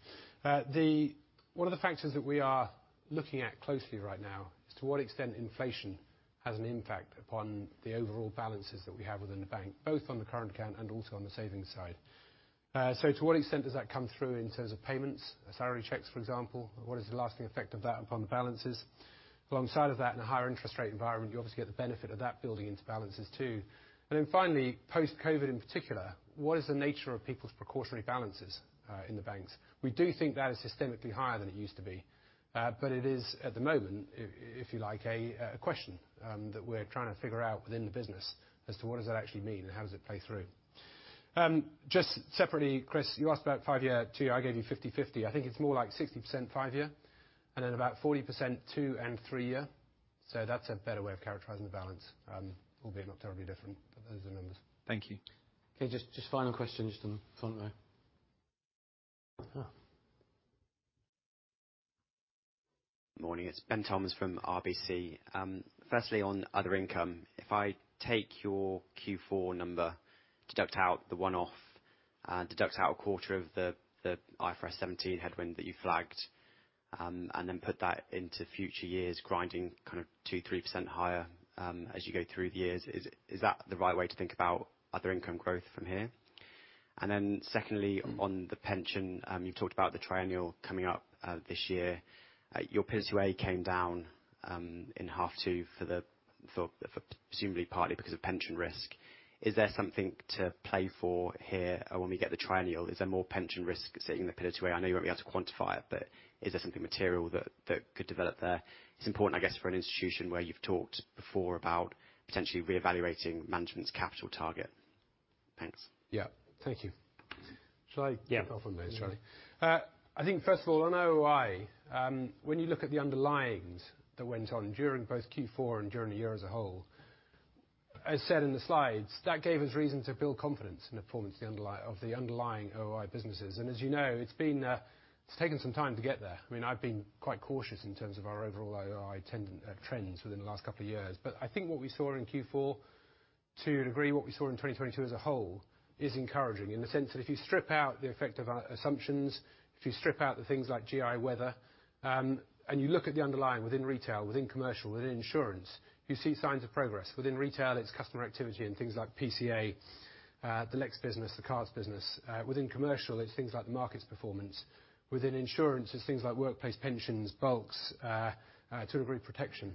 One of the factors that we are looking at closely right now is to what extent inflation has an impact upon the overall balances that we have within the bank, both on the current account and also on the savings side. To what extent does that come through in terms of payments, salary checks, for example? What is the lasting effect of that upon the balances? Alongside of that, in a higher interest rate environment, you obviously get the benefit of that building into balances too. Finally, post-COVID in particular, what is the nature of people's precautionary balances in the banks? We do think that is systemically higher than it used to be, but it is at the moment, if you like, a question that we're trying to figure out within the business as to what does that actually mean and how does it play through. Just separately, Chris, you asked about five-year, two-year. I gave you 50/50. I think it's more like 60% five year and then about 40% two and three-year. That's a better way of characterizing the balance, albeit not terribly different, but those are the numbers. Thank you. Okay, just final question just on the front row. Morning, it's Ben Toms from RBC. Firstly, on other income, if I take your Q4 number, deduct out the one-off, and deduct out a quarter of the IFRS 17 headwind that you flagged, and then put that into future years, grinding kind of 2%, 3% higher, as you go through the years, is that the right way to think about other income growth from here? Secondly, on the pension, you talked about the triennial coming up this year. Your Pillar 2A came down in half two presumably partly because of pension risk. Is there something to play for here when we get the triennial? Is there more pension risk sitting in the Pillar 2A? I know you won't be able to quantify it, but is there something material that could develop there? It's important, I guess, for an institution where you've talked before about potentially reevaluating management's capital target. Thanks. Yeah. Thank you. Yeah. Kick off on this, Charlie? I think first of all, on OOI, when you look at the underlyings that went on during both Q4 and during the year as a whole, as said in the slides, that gave us reason to build confidence in the performance of the underlying OOI businesses. As you know, it's been, it's taken some time to get there. I mean, I've been quite cautious in terms of our overall OOI trends within the last couple of years. I think what we saw in Q4, to a degree, what we saw in 2022 as a whole, is encouraging in the sense that if you strip out the effect of our assumptions, if you strip out the things like GI, weather, and you look at the underlying within retail, within commercial, within insurance, you see signs of progress. Within retail, it's customer activity and things like PCA, the Lex business, the cards business. Within commercial, it's things like the markets performance. Within insurance, it's things like workplace pensions, bulks, to a degree, protection.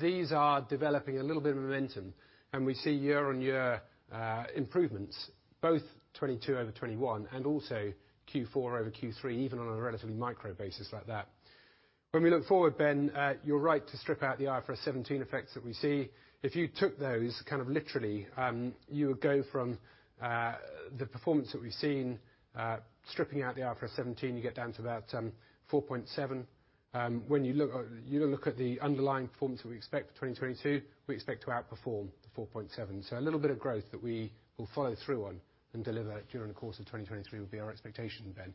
These are developing a little bit of momentum, and we see year-on-year improvements, both 22 over 21 and also Q4 over Q3, even on a relatively micro basis like that. When we look forward, Ben, you're right to strip out the IFRS 17 effects that we see. If you took those kind of literally, you would go from the performance that we've seen. Stripping out the IFRS 17, you get down to about 4.7. When you look at the underlying performance that we expect for 2022, we expect to outperform the 4.7. A little bit of growth that we will follow through on and deliver during the course of 2023 will be our expectation, Ben.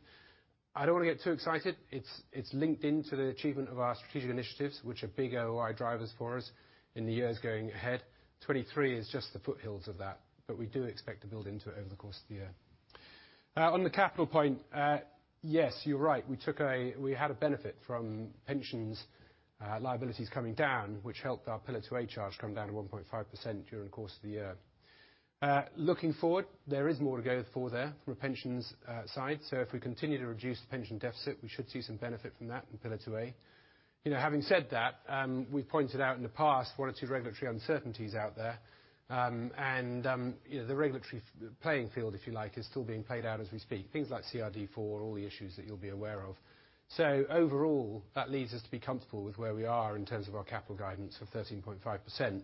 I don't wanna get too excited. It's linked into the achievement of our strategic initiatives, which are big OOI drivers for us in the years going ahead. 2023 is just the foothills of that, but we do expect to build into it over the course of the year. On the capital point, yes, you're right. We had a benefit from pensions, liabilities coming down, which helped our Pillar 2A charge come down to 1.5% during the course of the year. Looking forward, there is more to go for there from a pensions side. If we continue to reduce the pension deficit, we should see some benefit from that in Pillar 2A. You know, having said that, we've pointed out in the past one or two regulatory uncertainties out there. And, you know, the regulatory playing field, if you like, is still being played out as we speak. Things like CRD IV, all the issues that you'll be aware of. Overall, that leads us to be comfortable with where we are in terms of our capital guidance of 13.5%.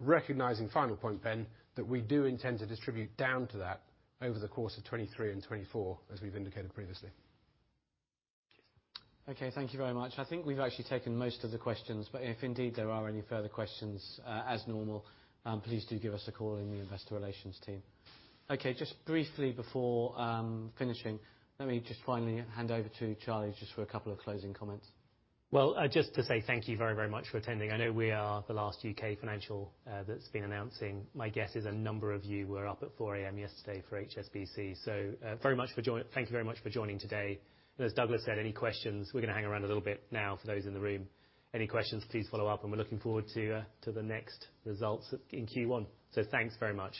Recognizing final point, Ben, that we do intend to distribute down to that over the course of 2023 and 2024, as we've indicated previously. Thank you very much. I think we've actually taken most of the questions, but if indeed there are any further questions, as normal, please do give us a call in the investor relations team. Just briefly before finishing, let me just finally hand over to Charlie just for a couple of closing comments. Well, just to say thank you very, very much for attending. I know we are the last U.K. financial that's been announcing. My guess is a number of you were up at 4:00 A.M. yesterday for HSBC. Thank you very much for joining today. As Douglas said, any questions, we're gonna hang around a little bit now for those in the room. Any questions, please follow up, and we're looking forward to the next results in Q1. Thanks very much.